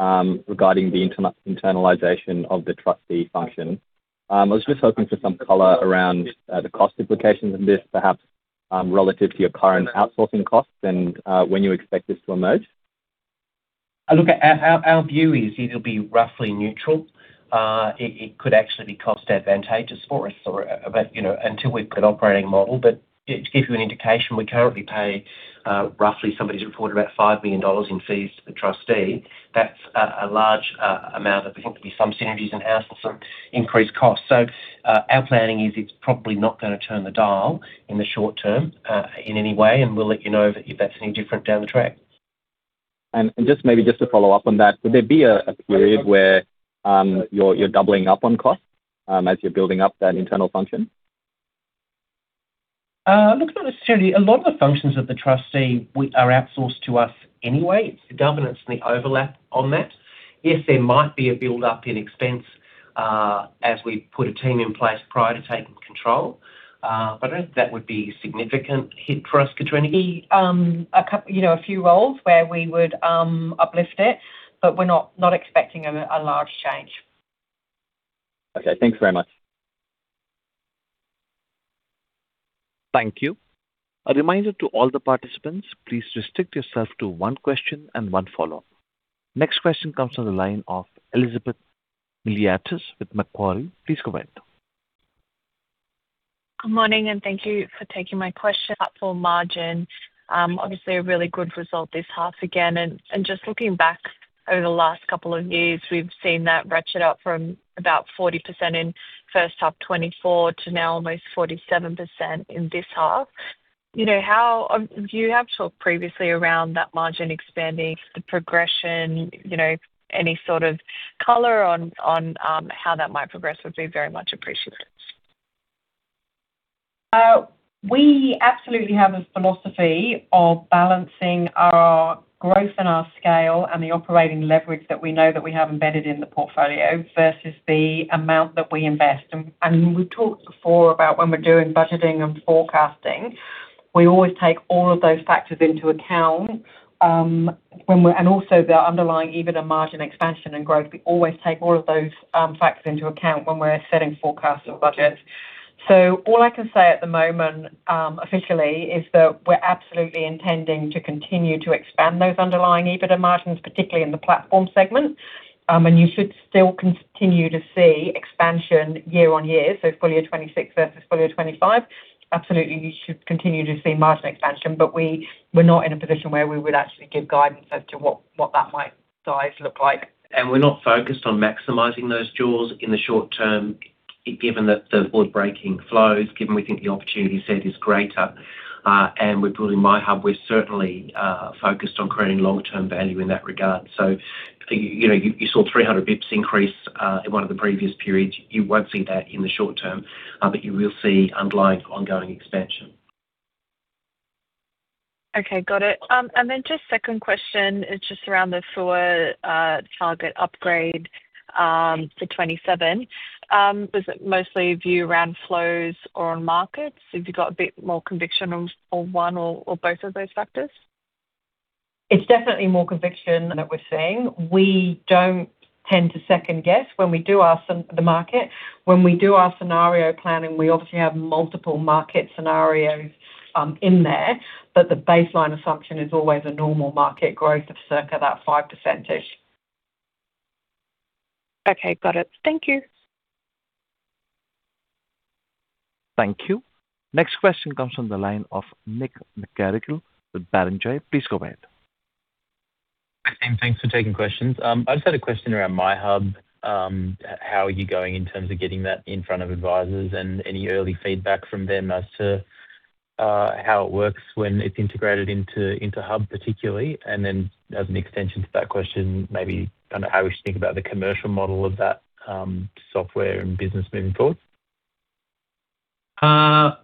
regarding the internalization of the trustee function. I was just hoping for some color around the cost implications of this, perhaps relative to your current outsourcing costs and when you expect this to emerge. Look, our view is it'll be roughly neutral. It could actually be cost advantageous for us or, but, you know, until we've got an operating model. But to give you an indication, we currently pay, roughly, somebody's reported about 5 million dollars in fees to the trustee. That's a large amount that we think there'll be some synergies and some increased costs. So, our planning is it's probably not going to turn the dial in the short term, in any way, and we'll let you know if that's any different down the track. Just maybe to follow up on that, would there be a period where you're doubling up on costs as you're building up that internal function? Look, not necessarily. A lot of the functions of the trustee are outsourced to us anyway. It's the governance and the overlap on that. Yes, there might be a build-up in expenses as we put a team in place prior to taking control. But I don't think that would be a significant hit for us, Kitrina? You know, a few roles where we would uplift it, but we're not expecting a large change. Okay, thanks very much. Thank you. A reminder to all the participants, please restrict yourself to one question and one follow-up. Next question comes from the line of Elizabeth Miliatis with Macquarie. Please go ahead. Good morning, and thank you for taking my question. Platform margin, obviously a really good result this half again, and just looking back over the last couple of years, we've seen that ratchet up from about 40% in first half 2024 to now almost 47% in this half. You know, how you have talked previously around that margin expanding, the progression, you know, any sort of color on how that might progress would be very much appreciated. We absolutely have a philosophy of balancing our growth and our scale and the operating leverage that we know that we have embedded in the portfolio versus the amount that we invest. And we've talked before about when we're doing budgeting and forecasting, we always take all of those factors into account, and also the underlying, even a margin expansion and growth. We always take all of those factors into account when we're setting forecasts or budgets. So all I can say at the moment, officially, is that we're absolutely intending to continue to expand those underlying EBITDA margins, particularly in the platform segment. And you should still continue to see expansion year on year, so full year 2026 versus full year 2025. Absolutely, you should continue to see margin expansion, but we're not in a position where we would actually give guidance as to what that might size look like. We're not focused on maximizing those jaws in the short term, given that the record-breaking flows, given we think the opportunity set is greater, and we're building MyHUB, we're certainly focused on creating long-term value in that regard. So, you know, you, you saw 300 bps increase in one of the previous periods. You won't see that in the short term, but you will see underlying ongoing expansion. Okay, got it. And then just second question is just around the FUA target upgrade for 27. Was it mostly view around flows or on markets? Have you got a bit more conviction on one or both of those factors? It's definitely more conviction that we're seeing. We don't tend to second guess when we do our sense the market. When we do our scenario planning, we obviously have multiple market scenarios in there, but the baseline assumption is always a normal market growth of circa about 5%-ish. Okay, got it. Thank you. Thank you. Next question comes from the line of Nick McGarrigle with Barrenjoey. Please go ahead. Thanks for taking questions. I just had a question around MyHUB. How are you going in terms of getting that in front of advisers? And any early feedback from them as to how it works when it's integrated into Hub particularly. And then as an extension to that question, maybe, I don't know, how we should think about the commercial model of that software and business moving forward. Not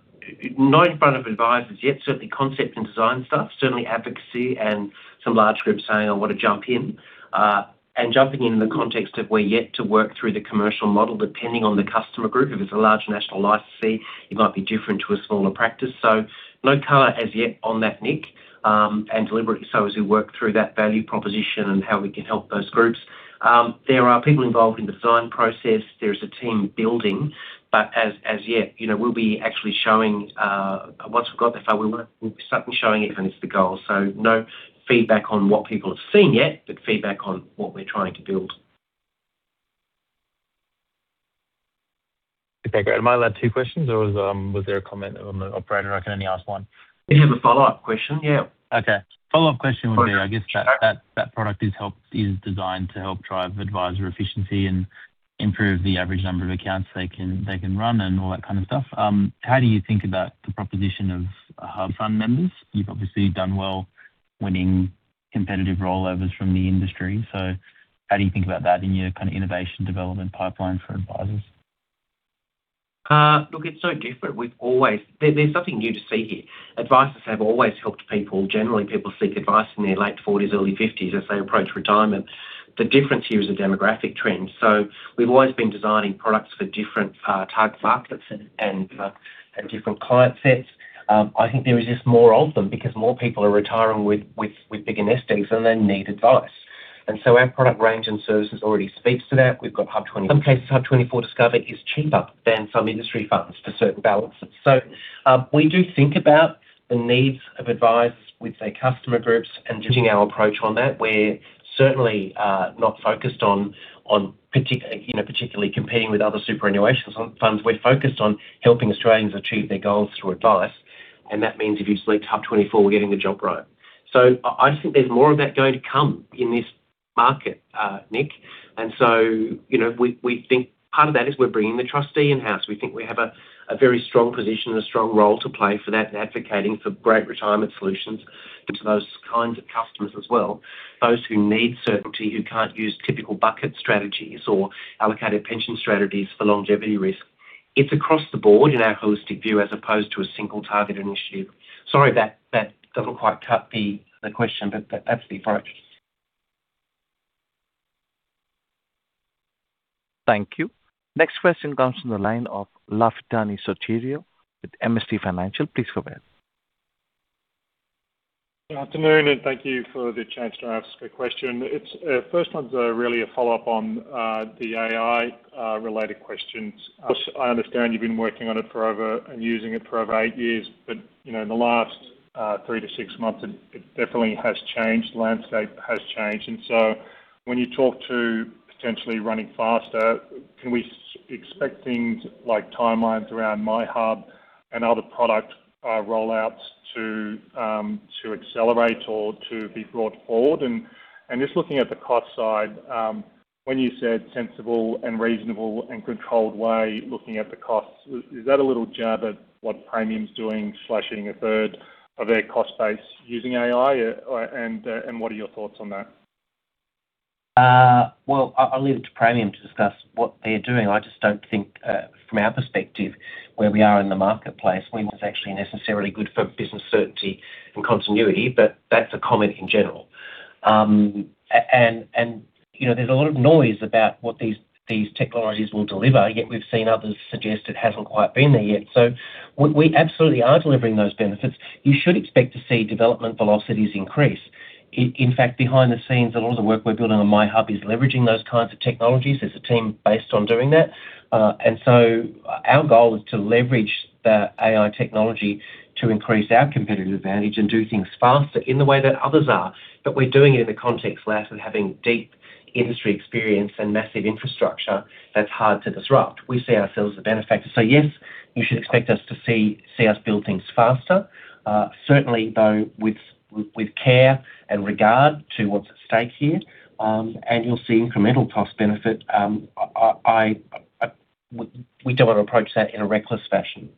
in front of advisers yet. Certainly concept and design stuff, certainly advocacy and some large groups saying, "I want to jump in," and jumping in in the context of we're yet to work through the commercial model, depending on the customer group. If it's a large national licensee, it might be different to a smaller practice. So no color as yet on that, Nick, and deliberately so as we work through that value proposition and how we can help those groups. There are people involved in the design process. There's a team building, but as yet, you know, we'll be actually showing once we've got the form we want, we'll certainly showing it, and it's the goal. So no feedback on what people are seeing yet, but feedback on what we're trying to build. Okay, great. Am I allowed two questions, or was, was there a comment on the operator, I can only ask one? You can have a follow-up question, yeah. Okay. Follow-up question would be, I guess that product is designed to help drive adviser efficiency and improve the average number of accounts they can run and all that kind of stuff. How do you think about the proposition of HUB24 Super Fund members? You've obviously done well winning competitive rollovers from the industry, so how do you think about that in your kind of innovation development pipeline for advisers? Look, it's no different. We've always... There's nothing new to see here. Advisers have always helped people. Generally, people seek advice in their late forties, early fifties as they approach retirement. The difference here is the demographic trends. So we've always been designing products for different target markets and different client sets. I think there is just more of them because more people are retiring with bigger nest eggs, and they need advice. And so our product range and services already speaks to that. We've got HUB24—in some cases, HUB24 Discover is cheaper than some industry funds for certain balances. So, we do think about the needs of advice with their customer groups and changing our approach on that. We're certainly not focused on you know, particularly competing with other superannuation funds. We're focused on helping Australians achieve their goals through advice, and that means if you select HUB24, we're getting the job right. So I just think there's more of that going to come in this market, Nick. And so, you know, we think part of that is we're bringing the trustee in-house. We think we have a very strong position and a strong role to play for that and advocating for great retirement solutions to those kinds of customers as well. Those who need certainty, who can't use typical bucket strategies or allocated pension strategies for longevity risk.... It's across the board in our holistic view, as opposed to a single targeted issue. Sorry if that doesn't quite cut the question, but that's the approach. Thank you. Next question comes from the line of Lafitani Sotiriou with MST Financial. Please go ahead. Good afternoon, and thank you for the chance to ask a question. It's first one's really a follow-up on the AI related questions. I understand you've been working on it for over, and using it for over eight years, but you know, in the last three to six months, it definitely has changed. The landscape has changed. And so when you talk to potentially running faster, can we expect things like timelines around MyHUB and other product rollouts to accelerate or to be brought forward? And just looking at the cost side, when you said sensible and reasonable and controlled way, looking at the costs, is that a little jab at what Praemium's doing, slashing a third of their cost base using AI? Or what are your thoughts on that? Well, I'll leave it to Praemium to discuss what they're doing. I just don't think, from our perspective, where we are in the marketplace, when it's actually necessarily good for business certainty and continuity, but that's a comment in general. And, you know, there's a lot of noise about what these technologies will deliver, yet we've seen others suggest it hasn't quite been there yet. So we absolutely are delivering those benefits. You should expect to see development velocities increase. In fact, behind the scenes, a lot of the work we're building on MyHUB is leveraging those kinds of technologies. There's a team based on doing that. And so our goal is to leverage that AI technology to increase our competitive advantage and do things faster in the way that others are. But we're doing it in the context of us and having deep industry experience and massive infrastructure that's hard to disrupt. We see ourselves as a benefactor. So yes, you should expect us to see us build things faster, certainly, though, with care and regard to what's at stake here, and you'll see incremental cost benefit. We don't want to approach that in a reckless fashion.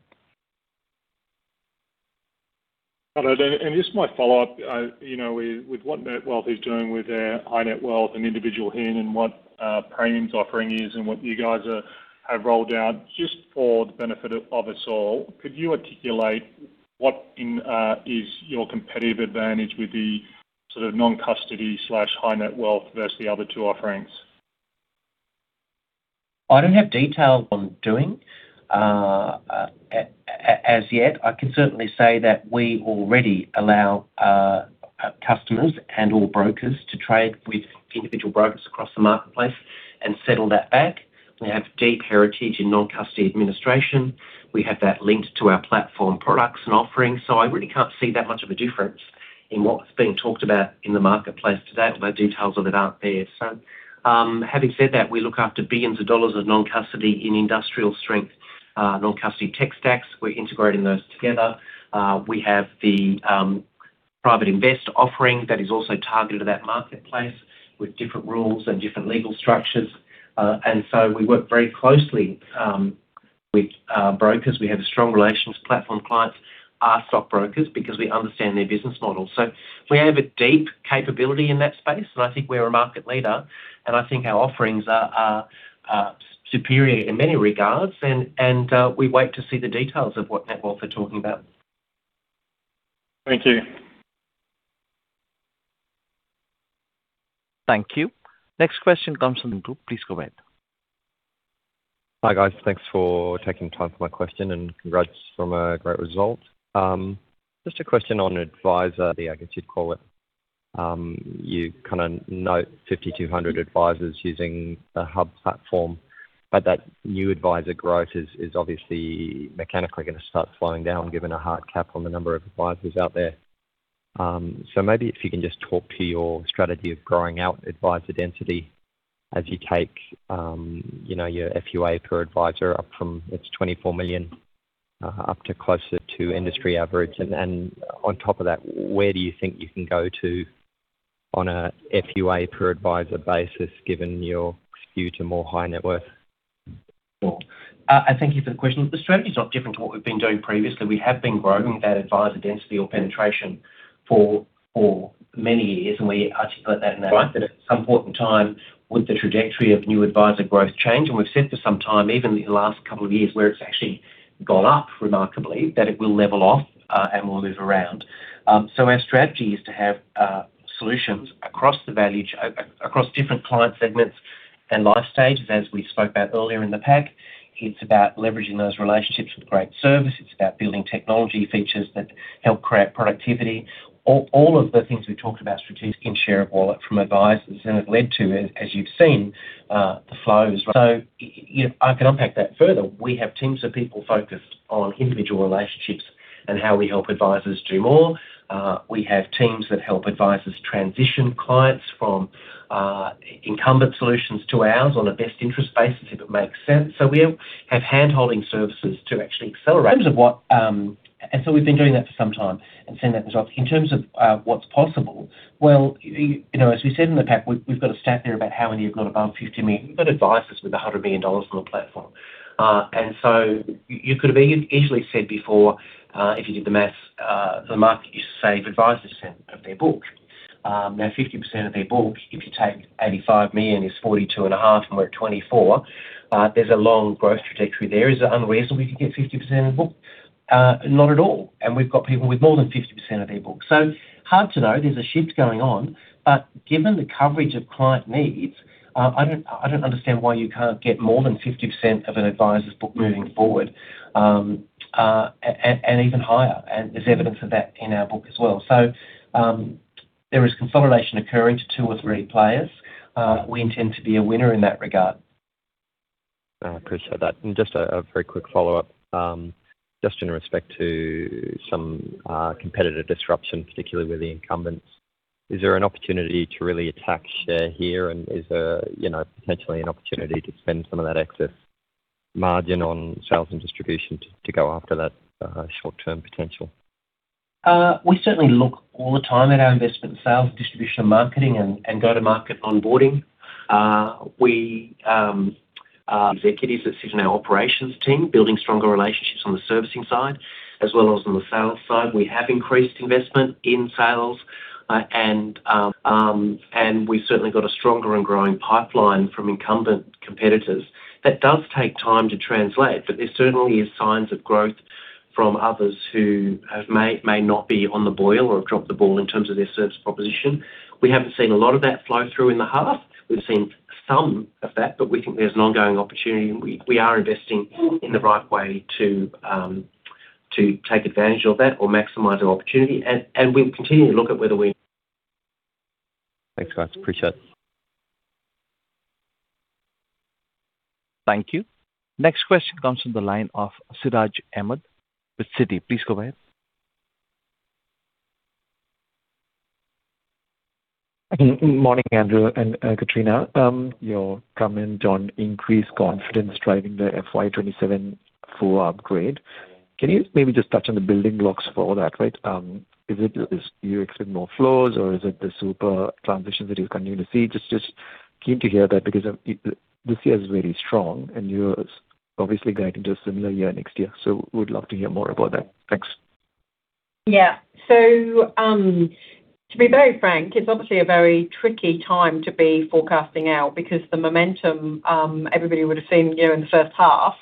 Got it. Just my follow-up, you know, with what Netwealth is doing with their high net wealth and individual in, and what Praemium's offering is, and what you guys have rolled out, just for the benefit of us all, could you articulate what is your competitive advantage with the sort of non-custody/high-net-wealth versus the other two offerings? I don't have details on doing as yet. I can certainly say that we already allow customers and/or brokers to trade with individual brokers across the marketplace and settle that back. We have deep heritage in non-custody administration. We have that linked to our platform products and offerings, so I really can't see that much of a difference in what's being talked about in the marketplace today, the details of it aren't there. So, having said that, we look after billions dollars of non-custody in industrial strength non-custody tech stacks. We're integrating those together. We have the Private Invest offering that is also targeted to that marketplace, with different rules and different legal structures. And so we work very closely with brokers. We have strong relations with platform clients, our stock brokers, because we understand their business model. So we have a deep capability in that space, and I think we're a market leader, and I think our offerings are superior in many regards, and we wait to see the details of what Netwealth are talking about. Thank you. Thank you. Next question comes from the group. Please go ahead. Hi, guys. Thanks for taking time for my question, and congrats on a great result. Just a question on adviser, I guess you'd call it. You kinda note 5,200 advisers using the HUB platform, but that new adviser growth is obviously mechanically gonna start slowing down, given a hard cap on the number of advisers out there. So maybe if you can just talk to your strategy of growing out adviser density as you take, you know, your FUA per adviser up from... it's 24 million up to closer to industry average. And on top of that, where do you think you can go to on a FUA per adviser basis, given your skew to more high net worth? And thank you for the question. The strategy is not different to what we've been doing previously. We have been growing that adviser density or penetration for many years, and we articulate that. Right, but at some important time, would the trajectory of new adviser growth change? And we've said for some time, even in the last couple of years, where it's actually gone up remarkably, that it will level off, and we'll move around. So our strategy is to have solutions across different client segments and life stages, as we spoke about earlier in the pack. It's about leveraging those relationships with great service. It's about building technology features that help create productivity. All of the things we talked about strategically in share of wallet from advisers, and it led to, as you've seen, the flows. So, you know, I can unpack that further. We have teams of people focused on individual relationships and how we help advisers do more. We have teams that help advisers transition clients from incumbent solutions to ours on a best interest basis, if it makes sense. So we have handholding services to actually accelerate. And so we've been doing that for some time and seen that results. In terms of what's possible, well, you know, as we said in the pack, we've got a stat there about how many have got above 50 million, but advisers with 100 million dollars on the platform. And so you could have easily said before, if you did the math, the market, you save advisers of their book.... Now 50% of their book, if you take 85 million, is 42.5, and we're at 24. There's a long growth trajectory there. Is it unreasonable if you get 50% of the book? Not at all, and we've got people with more than 50% of their book. So hard to know there's a shift going on, but given the coverage of client needs, I don't, I don't understand why you can't get more than 50% of an adviser's book moving forward, and, and, and even higher, and there's evidence of that in our book as well. So, there is consolidation occurring to two or three players. We intend to be a winner in that regard. I appreciate that. And just a very quick follow-up. Just in respect to some competitive disruption, particularly with the incumbents, is there an opportunity to really attack share here? And is there, you know, potentially an opportunity to spend some of that excess margin on sales and distribution to go after that short-term potential? We certainly look all the time at our investment sales, distribution, and marketing, and go-to-market onboarding. We executives that sit in our operations team, building stronger relationships on the servicing side as well as on the sales side. We have increased investment in sales, and we've certainly got a stronger and growing pipeline from incumbent competitors. That does take time to translate, but there certainly is signs of growth from others who may not be on the boil or have dropped the ball in terms of their service proposition. We haven't seen a lot of that flow through in the half. We've seen some of that, but we think there's an ongoing opportunity, and we are investing in the right way to take advantage of that or maximize our opportunity. And we'll continue to look at whether we- Thanks, guys. Appreciate it. Thank you. Next question comes from the line of Siraj Ahmed with Citi. Please go ahead. Morning, Andrew and Kitrina. Your comment on increased confidence driving the FY 27 full upgrade. Can you maybe just touch on the building blocks for all that, right? Is it, do you expect more flows, or is it the super transitions that you're continuing to see? Just keen to hear that because this year is very strong, and you're obviously guiding to a similar year next year, so would love to hear more about that. Thanks. Yeah. So, to be very frank, it's obviously a very tricky time to be forecasting out because the momentum, everybody would have seen, you know, in the first half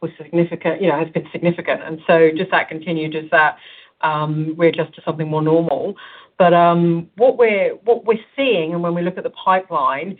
was significant, you know, has been significant. And so just that continued, just that, we're just to something more normal. But, what we're, what we're seeing and when we look at the pipeline,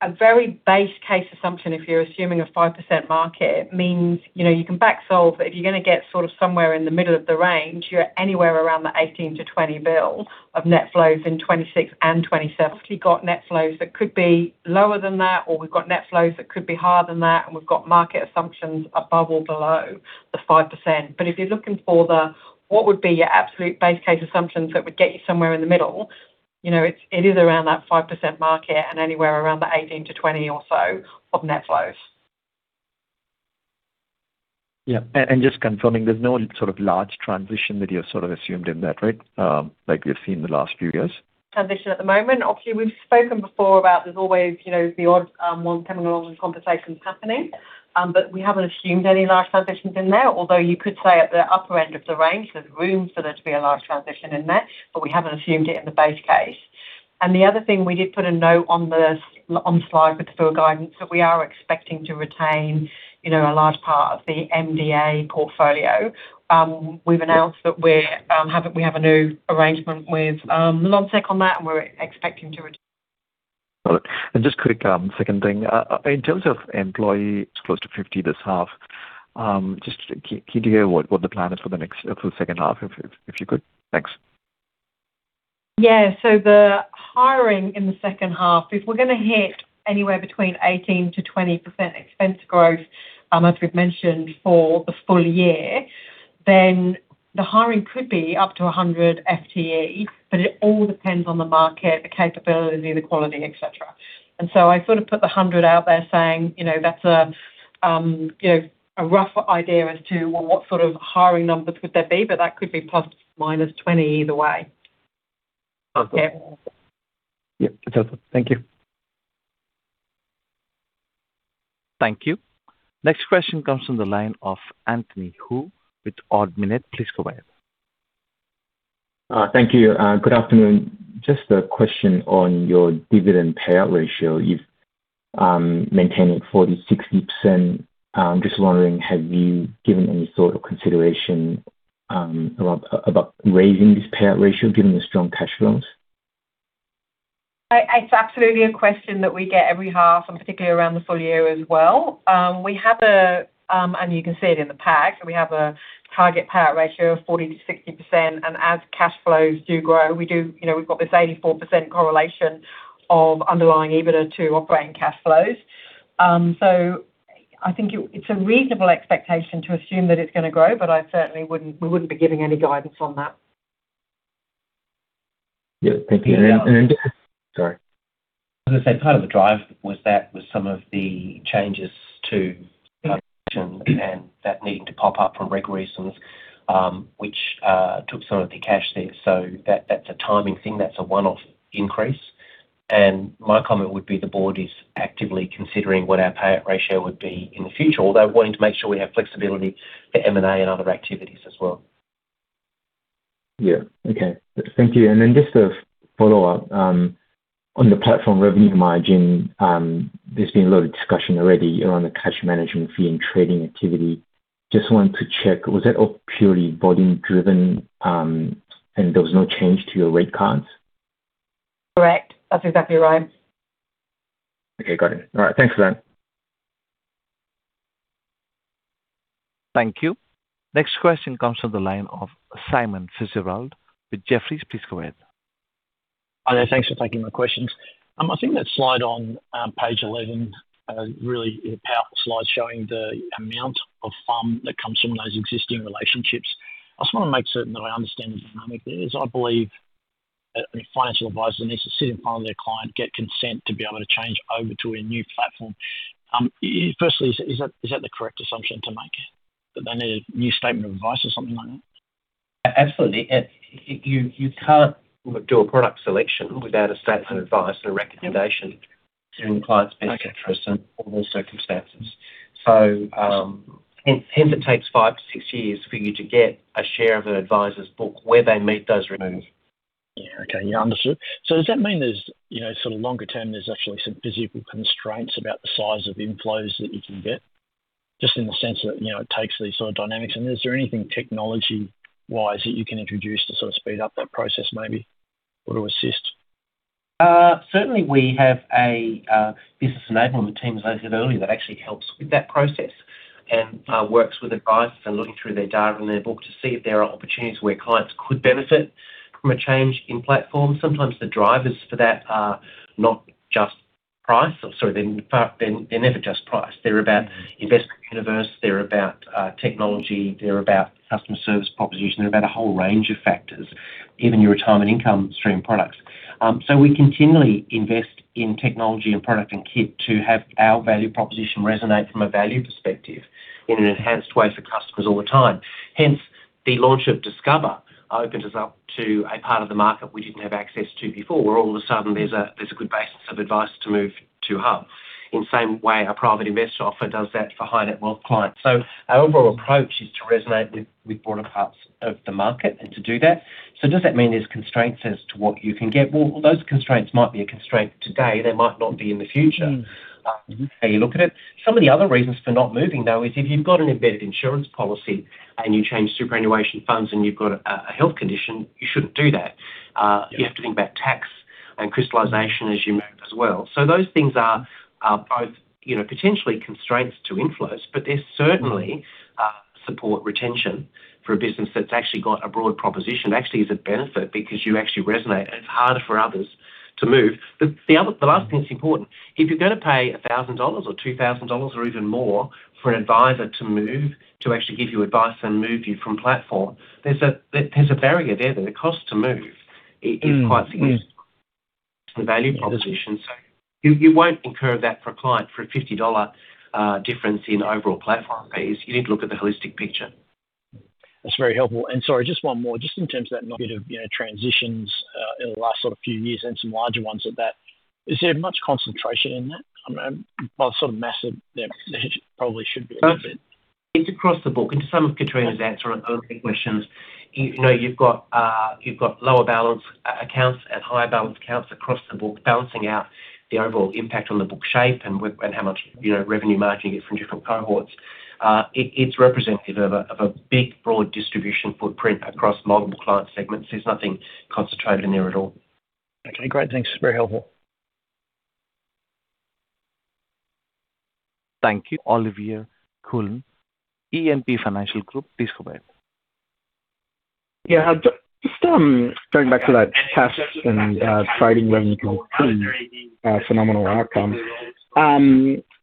a very base case assumption, if you're assuming a 5% market, means, you know, you can back solve. But if you're gonna get sort of somewhere in the middle of the range, you're anywhere around the 18-20 billion of net flows in 2026 and 2027. Obviously, got net flows that could be lower than that, or we've got net flows that could be higher than that, and we've got market assumptions above or below the 5%. But if you're looking for the, what would be your absolute base case assumptions that would get you somewhere in the middle, you know, it's, it is around that 5% market and anywhere around the 18-20 or so of net flows. Yeah, and, and just confirming there's no sort of large transition that you've sort of assumed in that, right? Like we've seen in the last few years. Transitions at the moment. Obviously, we've spoken before about there's always, you know, the odd one coming along and conversations stapling, but we haven't assumed any large transitions in there. Although you could say at the upper end of the range, there's room for there to be a large transition in there, but we haven't assumed it in the base case. And the other thing, we did put a note on the slide with the full guidance, that we are expecting to retain, you know, a large part of the MDA portfolio. We've announced that we're have a, we have a new arrangement with Lonsec on that, and we're expecting to re- Got it. Just quick, second thing. In terms of employee, it's close to 50 this half. Just keen to hear what the plan is for the next, for the second half, if you could. Thanks. Yeah. So the hiring in the second half, if we're gonna hit anywhere between 18%-20% expense growth, as we've mentioned for the full year, then the hiring could be up to 100 FTE, but it all depends on the market, the capability, the quality, et cetera. And so I sort of put the 100 out there saying, you know, that's a, you know, a rough idea as to what sort of hiring numbers would there be, but that could be ±20 either way. Okay. Yeah. Yeah, that's all. Thank you. Thank you. Next question comes from the line of Anthony Hu with Ord Minnett. Please go ahead. Thank you, good afternoon. Just a question on your dividend payout ratio. You've maintaining 40%-60%. Just wondering, have you given any thought or consideration about raising this payout ratio given the strong cash flows? It's absolutely a question that we get every half and particularly around the full year as well. We have a, and you can see it in the pack, we have a target payout ratio of 40%-60%, and as cash flows do grow, we do. You know, we've got this 84% correlation of underlying EBITDA to operating cash flows. So I think it, it's a reasonable expectation to assume that it's gonna grow, but I certainly wouldn't, we wouldn't be giving any guidance on that. Yeah, thank you. Sorry. As I said, part of the drive was that was some of the changes to, and that needing to pop up for reg reasons, which took some of the cash there. So that, that's a timing thing. That's a one-off increase. And my comment would be the board is actively considering what our payout ratio would be in the future, although wanting to make sure we have flexibility for M&A and other activities as well. Yeah. Okay, thank you. And then just a follow-up. On the platform revenue margin, there's been a lot of discussion already around the cash management fee and trading activity. Just wanted to check, was that all purely volume driven, and there was no change to your rate cards? Correct. That's exactly right. Okay, got it. All right, thanks for that. Thank you. Next question comes from the line of Simon Fitzgerald with Jefferies. Please go ahead. Hi there. Thanks for taking my questions. I think that slide on page 11 really a powerful slide showing the amount of that comes from those existing relationships. I just wanna make certain that I understand the dynamic there. I believe that a financial adviser needs to sit in front of their client, get consent to be able to change over to a new platform. Firstly, is that the correct assumption to make, that they need a new statement of advice or something like that? Absolutely. And you can't do a product selection without a statement of advice and a recommendation to the client's best interest in all circumstances. So, hence it takes five to six years for you to get a share of an adviser's book where they meet those requirements. Yeah. Okay, yeah, understood. So does that mean there's, you know, sort of longer term, there's actually some physical constraints about the size of inflows that you can get, just in the sense that, you know, it takes these sort of dynamics? And is there anything technology-wise that you can introduce to sort of speed up that process, maybe, or to assist? Certainly we have a business enablement team, as I said earlier, that actually helps with that process and works with advisers and looking through their data and their book to see if there are opportunities where clients could benefit from a change in platform. Sometimes the drivers for that are not just price or sorry, in fact, they're never just price. They're about investment universe, they're about technology, they're about customer service proposition. They're about a whole range of factors, even your retirement income stream products. So we continually invest in technology and product and kit to have our value proposition resonate from a value perspective in an enhanced way for customers all the time. Hence, the launch of Discover opens us up to a part of the market we didn't have access to before, where all of a sudden there's a good basis of advice to move to Hub. In the same way our private investor offer does that for high-net-worth clients. So our overall approach is to resonate with broader parts of the market and to do that. So does that mean there's constraints as to what you can get? Well, those constraints might be a constraint today, they might not be in the future, how you look at it. Some of the other reasons for not moving, though, is if you've got an embedded insurance policy and you change superannuation funds and you've got a health condition, you shouldn't do that. You have to think about tax and crystallization as you move as well. So those things are both, you know, potentially constraints to inflows, but they certainly support retention for a business that's actually got a broad proposition. Actually, it's a benefit because you actually resonate, and it's harder for others to move. The other, the last thing that's important, if you're gonna pay 1,000 dollars or 2,000 dollars or even more for an adviser to move, to actually give you advice and move you from platform, there's a barrier there, that the cost to move is quite significant to the value proposition. So you won't incur that for a client for a 50 dollar difference in overall platform fees. You need to look at the holistic picture. That's very helpful. And sorry, just one more. Just in terms of that bit of, you know, transitions, in the last sort of few years and some larger ones at that, is there much concentration in that? I mean, by sort of massive, there probably should be. It's across the book, into some of Kitrina's answer on those questions. You know, you've got lower balance accounts and higher balance accounts across the book, balancing out the overall impact on the book shape and how much, you know, revenue margin you get from different cohorts. It's representative of a big, broad distribution footprint across multiple client segments. There's nothing concentrated in there at all. Okay, great. Thanks. It's very helpful. Thank you. Olivier Cullen, E&P Financial Group. Please go ahead. Yeah, just going back to that cash and trading revenue, phenomenal outcome.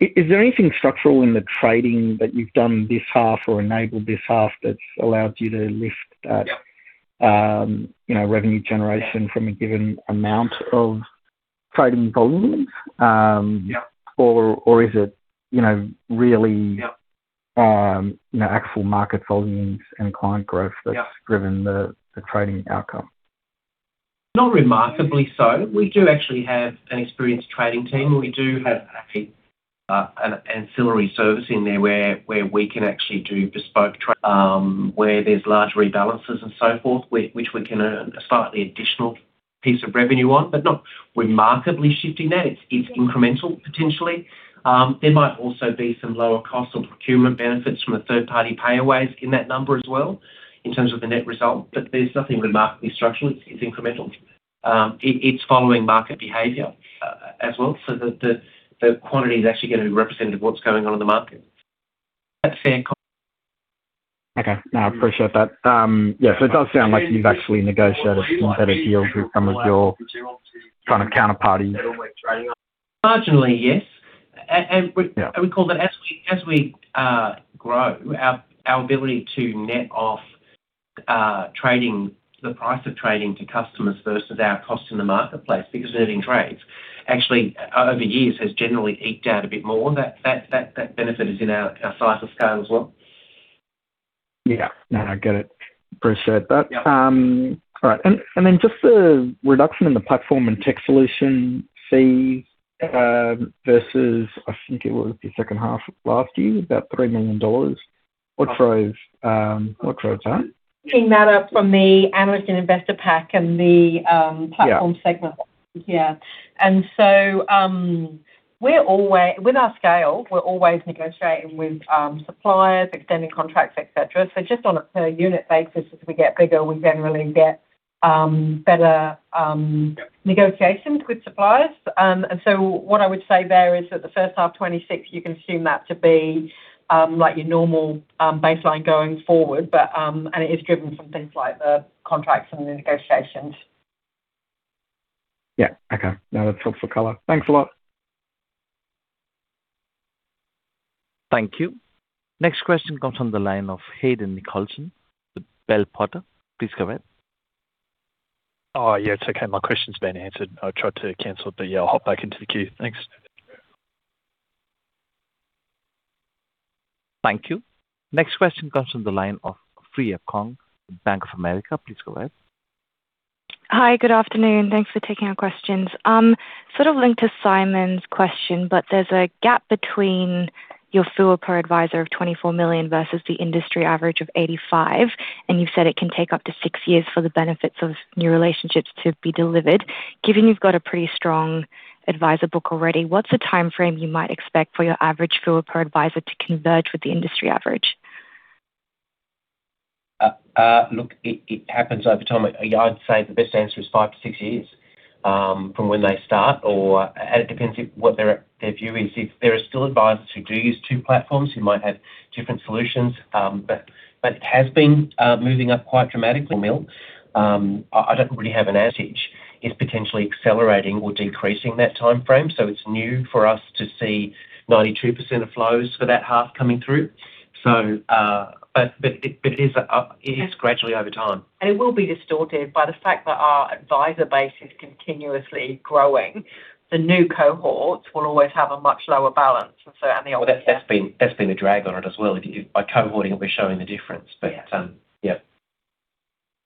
Is there anything structural in the trading that you've done this half or enabled this half that's allowed you to lift that, you know, revenue generation from a given amount of trading volume? Or, or is it, you know, really, you know, actual market volumes and client growth that's driven the trading outcome? Not remarkably so. We do actually have an experienced trading team, and we do have an ancillary service in there where we can actually do bespoke tra-- where there's large rebalances and so forth, which we can earn a slightly additional piece of revenue on, but not remarkably shifting that. It's incremental, potentially. There might also be some lower cost or procurement benefits from a third-party payaways in that number as well, in terms of the net result, but there's nothing remarkably structural. It's incremental. It is following market behavior as well. So the quantity is actually gonna be representative of what's going on in the market. That's fair comment. Okay, I appreciate that. Yeah, so it does sound like you've actually negotiated some better deals with some of your kind of counterparty- Marginally, yes. And we call that as we grow, our ability to net off trading, the price of trading to customers versus our cost in the marketplace, because we're doing trades, actually, over the years, has generally eked out a bit more. That benefit is in our size and scale as well. Yeah, no, I get it. Appreciate that. All right, and then just the reduction in the platform and tech solution fee versus I think it was the second half of last year, about 3 million dollars. What drove that? Bringing that up from the analyst and investor pack and the platform segment. Yeah. And so, we're always—with our scale, we're always negotiating with suppliers, extending contracts, et cetera. So just on a per unit basis, as we get bigger, we generally get better negotiations with suppliers. And so what I would say there is that the first half of 2026, you can assume that to be like your normal baseline going forward. But, and it is driven from things like the contracts and the negotiations. Yeah. Okay. No, that's helpful color. Thanks a lot. Thank you. Next question comes from the line of Hayden Nicholson with Bell Potter. Please go ahead. Oh, yeah, it's okay. My question's been answered. I tried to cancel, but, yeah, I'll hop back into the queue. Thanks. Thank you. Next question comes from the line of Freya Kong, Bank of America. Please go ahead. Hi, good afternoon. Thanks for taking our questions. Sort of linked to Simon's question, but there's a gap between your FUA per adviser of 24 million versus the industry average of 85 million, and you've said it can take up to six years for the benefits of new relationships to be delivered. Given you've got a pretty strong adviser book already, what's the timeframe you might expect for your average FUA per adviser to converge with the industry average? Look, it happens over time. I'd say the best answer is five to six years from when they start, or and it depends what their view is. If there are still advisers who do use two platforms, who might have different solutions, but it has been moving up quite dramatically, Mil. I don't really have an outage. It's potentially accelerating or decreasing that timeframe, so it's new for us to see 92% of flows for that half coming through. So, but it is up, it is gradually over time. It will be distorted by the fact that our adviser base is continuously growing. The new cohorts will always have a much lower balance, and so- Well, that's been a drag on it as well. By cohorting, we're showing the difference. Yeah. But, yeah.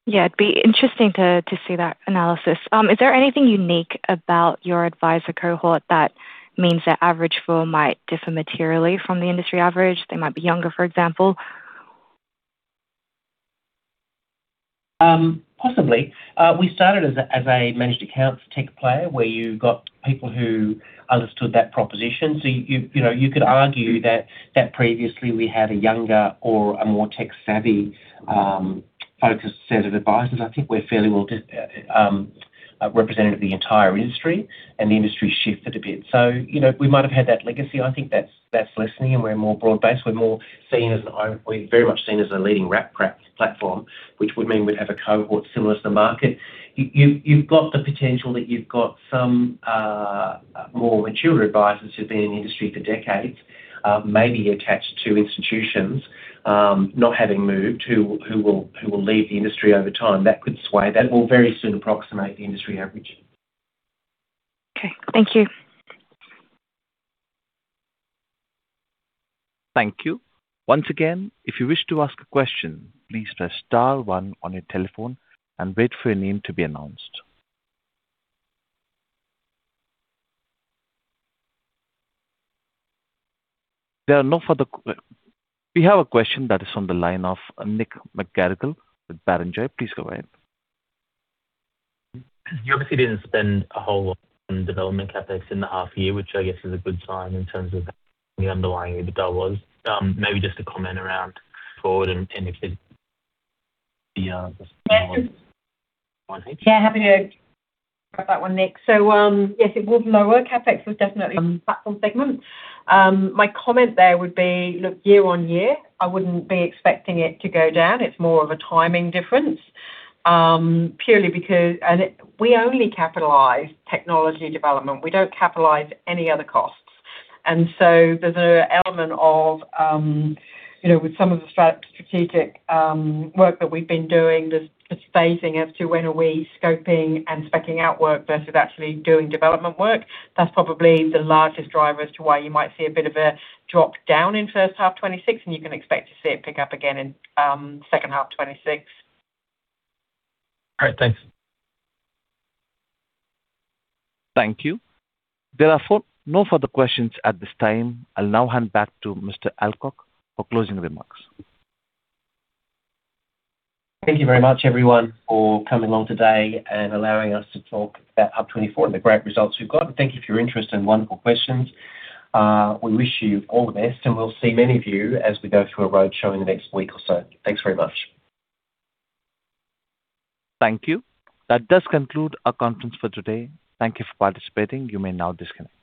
Yeah, it'd be interesting to see that analysis. Is there anything unique about your adviser cohort that means their average FUA might differ materially from the industry average? They might be younger, for example. Possibly. We started as a managed accounts tech player, where you've got people who understood that proposition. So you know, you could argue that previously we had a younger or a more tech-savvy focused set of advisers. I think we're fairly well representative of the entire industry, and the industry shifted a bit. So, you know, we might have had that legacy. I think that's lessening, and we're more broad-based. We're more seen as. We're very much seen as a leading wrap platform, which would mean we'd have a cohort similar to the market. You've got the potential that you've got some more mature advisers who've been in the industry for decades, maybe attached to institutions, not having moved, who will leave the industry over time. That could sway. That will very soon approximate the industry average. Okay. Thank you. Thank you. Once again, if you wish to ask a question, please press star one on your telephone and wait for your name to be announced. There are no further questions. We have a question that is on the line of Nick McGarrigle with Barrenjoey. Please go ahead. You obviously didn't spend a whole lot on development CapEx in the half year, which I guess is a good sign in terms of the underlying EBITDA was. Maybe just a comment around forward and, and if it's the- Yeah, happy to grab that one, Nick. So, yes, it was lower. CapEx was definitely on platform segment. My comment there would be, look, year-on-year, I wouldn't be expecting it to go down. It's more of a timing difference, purely because, and it, we only capitalize technology development. We don't capitalize any other costs. And so there's an element of, you know, with some of the strategic work that we've been doing, the phasing as to when are we scoping and speccing out work versus actually doing development work. That's probably the largest driver as to why you might see a bit of a drop down in first half 2026, and you can expect to see it pick up again in second half 2026. All right. Thanks. Thank you. There are no further questions at this time. I'll now hand back to Mr. Alcock for closing remarks. Thank you very much, everyone, for coming along today and allowing us to talk about HUB24 and the great results we've got. Thank you for your interest and wonderful questions. We wish you all the best, and we'll see many of you as we go through a roadshow in the next week or so. Thanks very much. Thank you. That does conclude our conference for today. Thank you for participating. You may now disconnect.